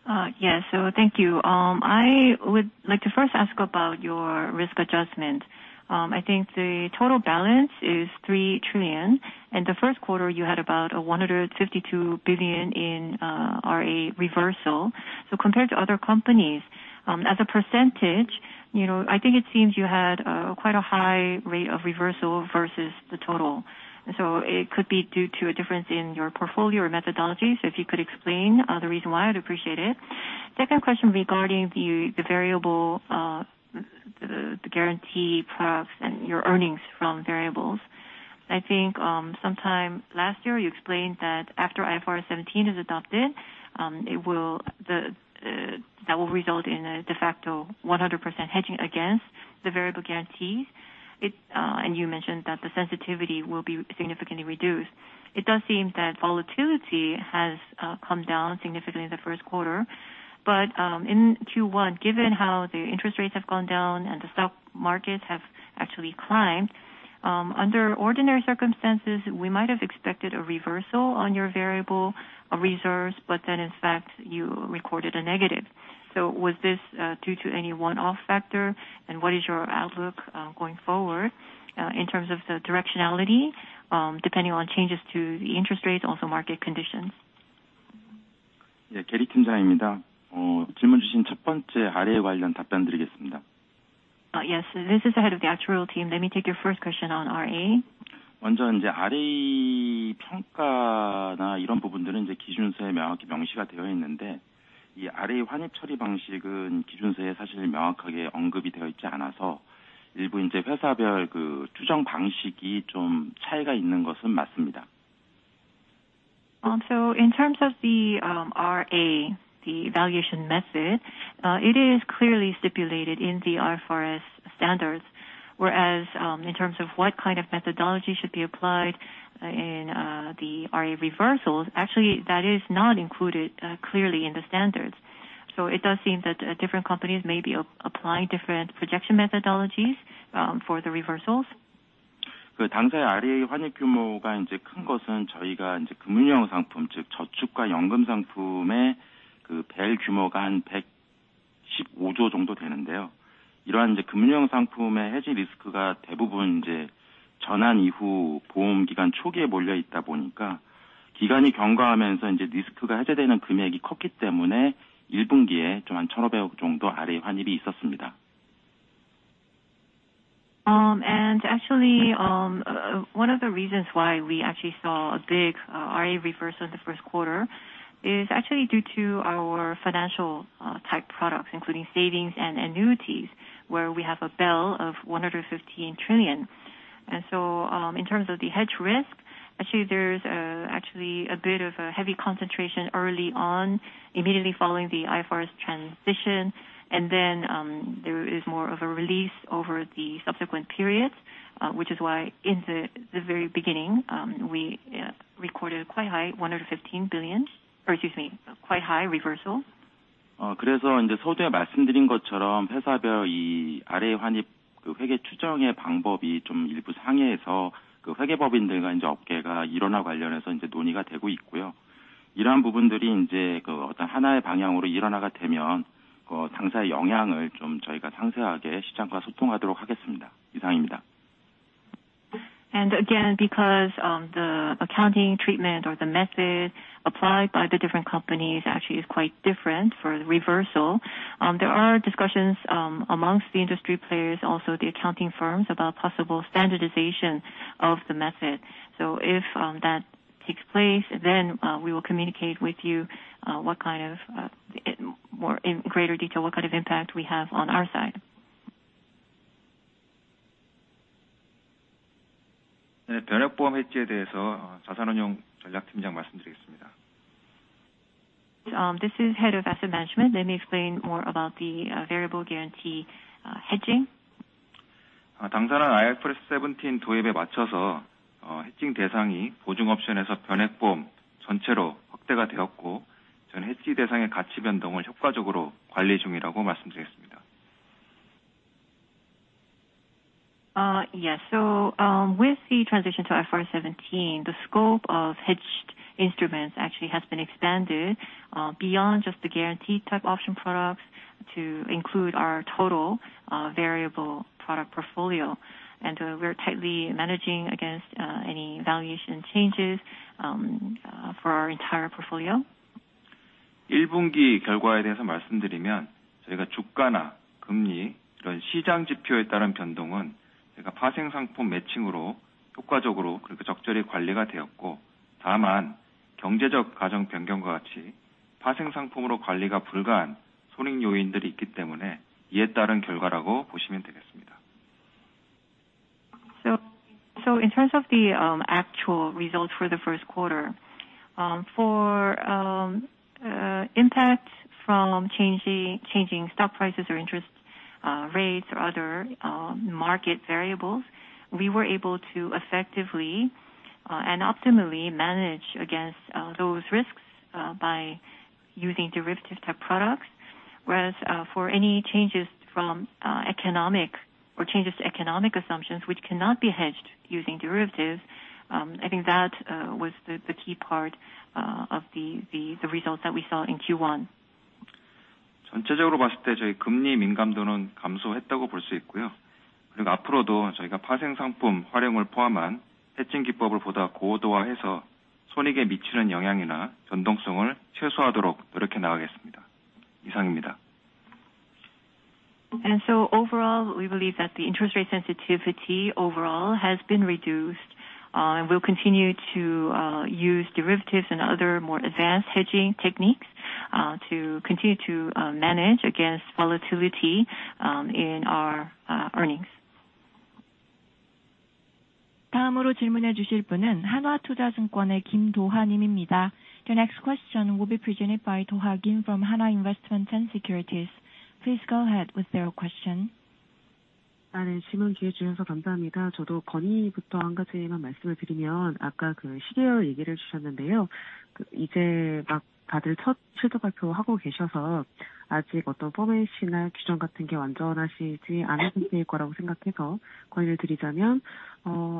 Yes. Yes. Thank you. I would like to first ask about your risk adjustment. I think the total balance is 3 trillion. In the Q1, you had about 152 billion in RA reversal. Compared to other companies, you know, I think it seems you had quite a high rate of reversal versus the total. It could be due to a difference in your portfolio or methodology. If you could explain the reason why I'd appreciate it. Second question regarding the variable guarantee products and your earnings from variables. I think sometime last year you explained that after IFRS 17 is adopted, that will result in a de facto 100% hedging against the variable guarantees. It, and you mentioned that the sensitivity will be significantly reduced. It does seem that volatility has come down significantly in the Q1. In Q1, given how the interest rates have gone down and the stock markets have actually climbed, under ordinary circumstances, we might have expected a reversal on your variable, a reverse, but then in fact you recorded a negative. Was this due to any one-off factor, and what is your outlook, going forward, in terms of the directionality, depending on changes to the interest rates, also market conditions? Yes. This is the head of the actuarial team. Let me take your first question on RA. In terms of the RA, the valuation method, it is clearly stipulated in the IFRS standards, whereas, in terms of what kind of methodology should be applied, in the RA reversals, actually that is not included, clearly in the standards. It does seem that different companies may be applying different projection methodologies for the reversals. Actually, one of the reasons why we actually saw a big RA reverse in the Q1 is actually due to our financial type products, including savings and annuities, where we have a bell of 115 trillion. In terms of the hedge risk, actually there's actually a bit of a heavy concentration early on immediately following the IFRS transition. There is more of a release over the subsequent periods, which is why in the very beginning, we recorded quite high 115 billion, or excuse me, quite high reversals. Because the accounting treatment or the method applied by the different companies actually is quite different for the reversal, there are discussions amongst the industry players, also the accounting firms, about possible standardization of the method. If it takes place, then, we will communicate with you, what kind of, more in greater detail what kind of impact we have on our side. This is head of asset management. Let me explain more about the variable guarantee hedging. With the transition to IFRS 17, the scope of hedged instruments actually has been expanded beyond just the guaranteed type option products to include our total variable product portfolio. We're tightly managing against any valuation changes for our entire portfolio. So in terms of the actual results for the Q1, for impact from changing stock prices or interest rates or other market variables, we were able to effectively and optimally manage against those risks by using derivative type products. Whereas, for any changes from economic or changes to economic assumptions which cannot be hedged using derivatives, I think that was the key part of the results that we saw in Q1. Overall, we believe that the interest rate sensitivity overall has been reduced, and we'll continue to use derivatives and other more advanced hedging techniques to continue to manage against volatility in our earnings. The next question will be presented by Do-ha Kim from Hana Investment & Securities. Please go ahead with your question. Yeah. I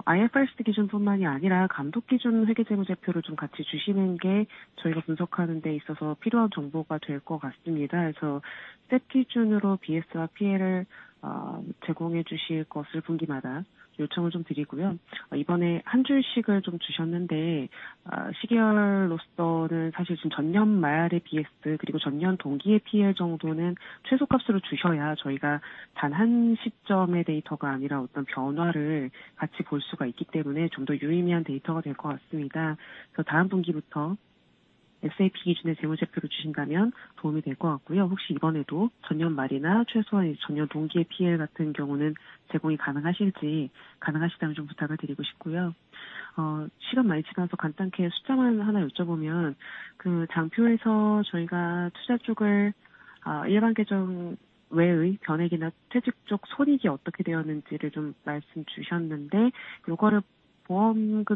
actually have a recommendation to begin with.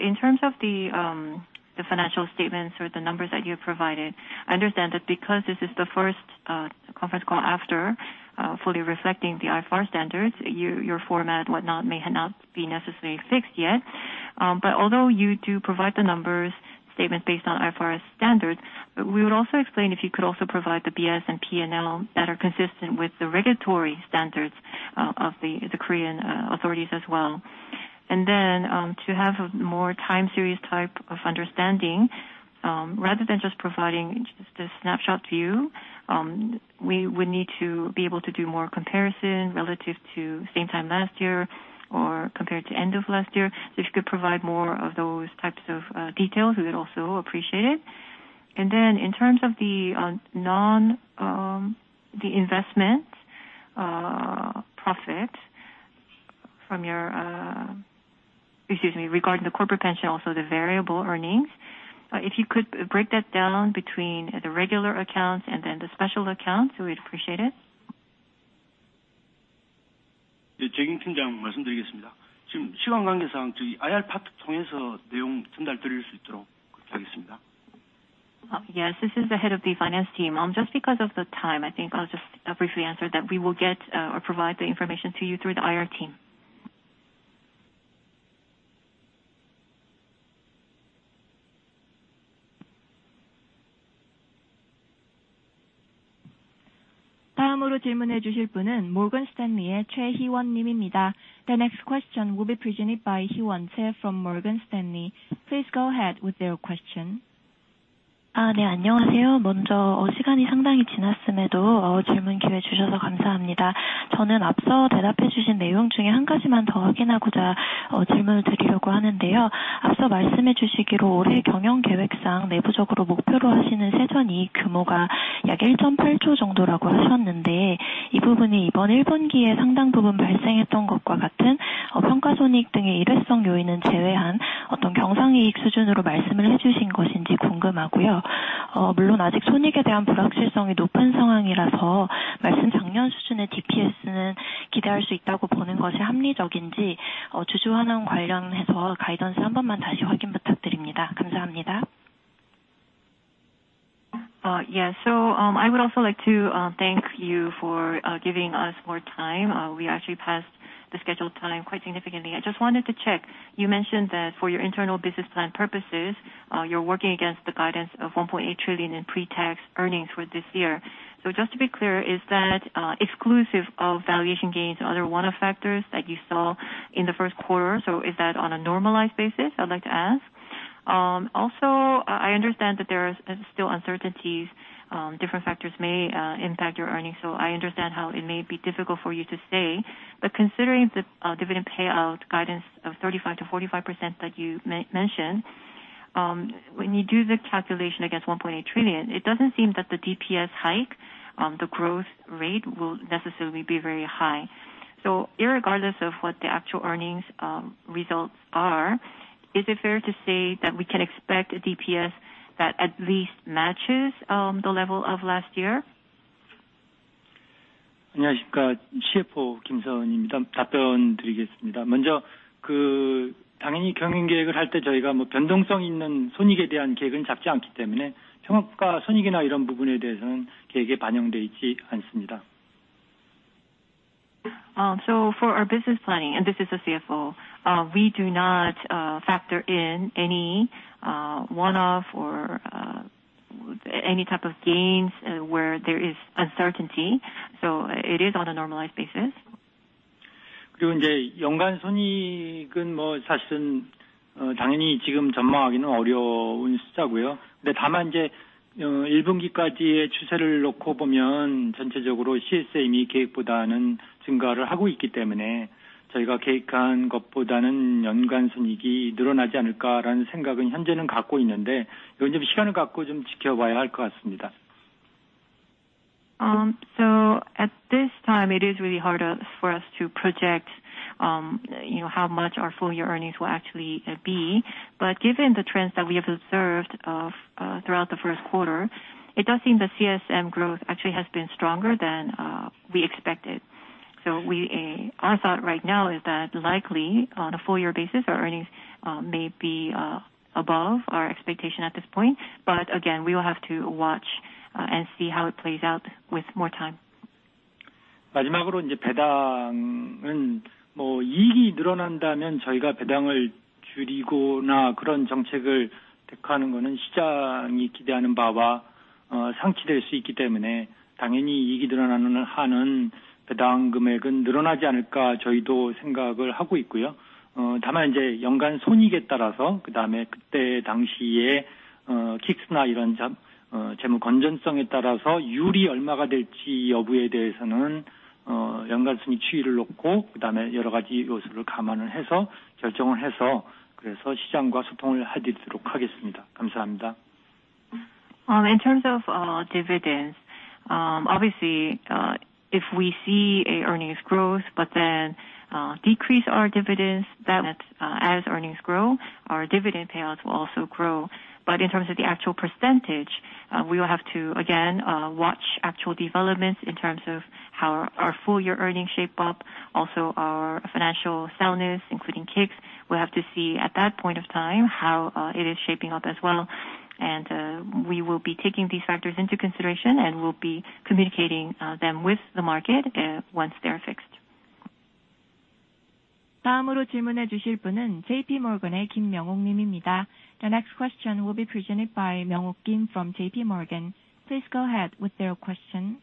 In terms of the financial statements or the numbers that you provided, I understand that because this is the first conference call after fully reflecting the IFRS standards, your format whatnot may not be necessarily fixed yet. Although you do provide the numbers statement based on IFRS standards, we would also explain if you could also provide the BS and P&L that are consistent with the regulatory standards of the Korean authorities as well. To have a more time series type of understanding, rather than just providing just a snapshot view, we would need to be able to do more comparison relative to same time last year or compared to end of last year. If you could provide more of those types of details, we would also appreciate it. In terms of the non, the investment profit from your, excuse me, regarding the corporate pension, also the variable earnings, if you could break that down between the regular accounts and the special accounts, we'd appreciate it. Yes, this is the Head of the Finance Team. Just because of the time, I think I'll just briefly answer that we will get or provide the information to you through the IR team 다음으로 질문해 주실 분은 Morgan Stanley의 최희원 님입니다. The next question will be presented by Heewon Choi from Morgan Stanley. Please go ahead with your question. 네, 안녕하세요. 먼저 시간이 상당히 지났음에도 질문 기회 주셔서 감사합니다. 저는 앞서 대답해 주신 내용 중에 한 가지만 더 확인하고자 질문을 드리려고 하는데요. 앞서 말씀해 주시기로 올해 경영계획상 내부적으로 목표로 하시는 세전이익 규모가 약 1.8 trillion 정도라고 하셨는데, 이 부분이 이번 1Q에 상당 부분 발생했던 것과 같은 평가손익 등의 일회성 요인은 제외한 어떤 경상이익 수준으로 말씀을 해주신 것인지 궁금하고요. 물론 아직 손익에 대한 불확실성이 높은 상황이라서 말씀 작년 수준의 DPS는 기대할 수 있다고 보는 것이 합리적인지 주주환원 관련해서 가이던스 한 번만 다시 확인 부탁드립니다. 감사합니다. Yeah. I would also like to thank you for giving us more time. We actually passed the scheduled time quite significantly. I just wanted to check. You mentioned that for your internal business plan purposes, you're working against the guidance of 1.8 trillion in pre-tax earnings for this year. Just to be clear, is that exclusive of valuation gains and other one-off factors that you saw in the Q1? Is that on a normalized basis? I'd like to ask. Also, I understand that there are still uncertainties. Different factors may impact your earnings. I understand how it may be difficult for you to say, but considering the dividend payout guidance of 35%-45% that you mentioned, when you do the calculation against 1.8 trillion, it doesn't seem that the DPS hike, the growth rate will necessarily be very high. Regardless of what the actual earnings results are, is it fair to say that we can expect a DPS that at least matches the level of last year? 안녕하십니까? CFO Sun Kim입니다. 답변드리겠습니다. 먼저 그 당연히 경영계획을 할때 저희가 뭐 변동성 있는 손익에 대한 계획은 잡지 않기 때문에 평합과 손익이나 이런 부분에 대해서는 계획에 반영되어 있지 않습니다. For our business planning, and this is the CFO, we do not factor in any one-off or any type of gains where there is uncertainty. It is on a normalized basis. 연간 손익은 뭐 사실은 당연히 지금 전망하기는 어려운 숫자고요. 다만 이제 1Q까지의 추세를 놓고 보면 전체적으로 CSM이 계획보다는 증가를 하고 있기 때문에 저희가 계획한 것보다는 연간 순이익이 늘어나지 않을까라는 생각은 현재는 갖고 있는데, 이건 좀 시간을 갖고 좀 지켜봐야 할것 같습니다. At this time, it is really hard for us to project, you know, how much our full year earnings will actually be. Given the trends that we have observed of throughout the Q1, it does seem that CSM growth actually has been stronger than we expected. We, our thought right now is that likely on a full year basis, our earnings may be above our expectation at this point. Again, we will have to watch and see how it plays out with more time. 마지막으로 이제 배당은 뭐 이익이 늘어난다면 저희가 배당을 줄이거나 그런 정책을 택하는 것은 시장이 기대하는 바와 상치될 수 있기 때문에 당연히 이익이 늘어나는 한은 배당금액은 늘어나지 않을까 저희도 생각을 하고 있고요. 다만 이제 연간 손익에 따라서 그다음에 그때 당시의 K-ICS나 이런 재무건전성에 따라서 율이 얼마가 될지 여부에 대해서는 연간 손익 추이를 놓고 그다음에 여러 가지 요소를 감안을 해서 결정을 해서 그래서 시장과 소통을 해드리도록 하겠습니다. 감사합니다. In terms of dividends, obviously, if we see a earnings growth but then decrease our dividends, that as earnings grow, our dividend payouts will also grow. In terms of the actual percentage, we will have to again watch actual developments in terms of how our full year earnings shape up. Also, our financial soundness, including K-ICS. We'll have to see at that point of time how it is shaping up as well. We will be taking these factors into consideration, and we'll be communicating them with the market once they are fixed. 다음으로 질문해 주실 분은 JPMorgan의 김명옥 님입니다. The next question will be presented by MW Kim from JPMorgan. Please go ahead with your question.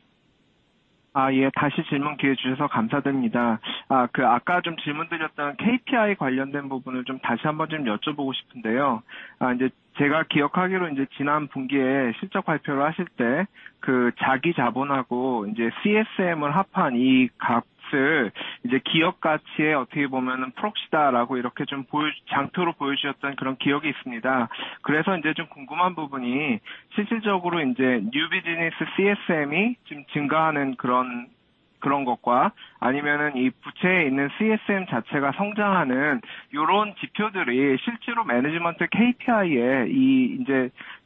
예, 다시 질문 기회 주셔서 감사드립니다. 그 아까 좀 질문드렸던 KPI 관련된 부분을 좀 다시 한번 좀 여쭤보고 싶은데요. 이제 제가 기억하기로 이제 지난 분기에 실적 발표를 하실 때그 자기자본하고 이제 CSM을 합한 이 값을 이제 기업 가치의 어떻게 보면 proxy다라고 이렇게 좀 장표로 보여주셨던 그런 기억이 있습니다. 이제 좀 궁금한 부분이 실질적으로 이제 New Business CSM이 지금 증가하는 그런 것과 아니면은 이 부채에 있는 CSM 자체가 성장하는 요런 지표들이 실제로 Management KPI에 이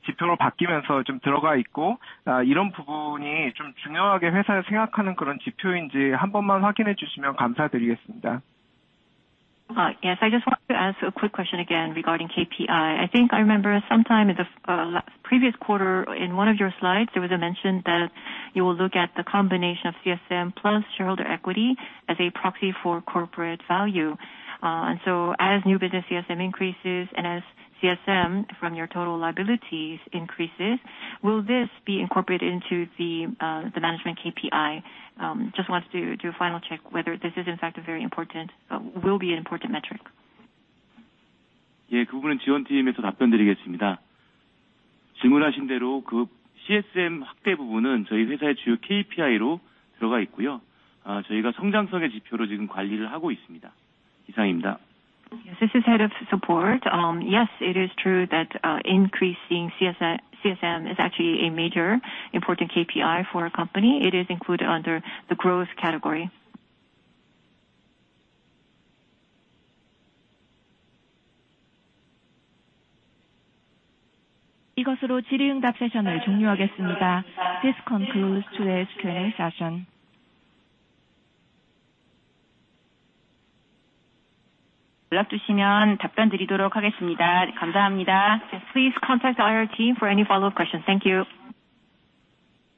지표로 바뀌면서 좀 들어가 있고, 이런 부분이 좀 중요하게 회사에서 생각하는 그런 지표인지 한 번만 확인해 주시면 감사드리겠습니다. Yes. I just want to ask a quick question again regarding KPI. I think I remember sometime in the previous quarter in one of your slides, there was a mention that you will look at the combination of CSM plus shareholder equity as a proxy for corporate value. As new business CSM increases and as CSM from your total liabilities increases, will this be incorporated into the management KPI? Just wanted to do a final check whether this is in fact a very important, will be an important metric. 예, 그 부분은 지원팀에서 답변드리겠습니다. 질문하신 대로 그 CSM 확대 부분은 저희 회사의 주요 KPI로 들어가 있고요. 저희가 성장성의 지표로 지금 관리를 하고 있습니다. 이상입니다. This is head of support. Yes, it is true that increasing CSM is actually a major important KPI for our company. It is included under the growth category. 이것으로 질의응답 세션을 종료하겠습니다. This concludes today's Q&A session. 연락 주시면 답변드리도록 하겠습니다. 감사합니다. Please contact our team for any follow-up questions. Thank you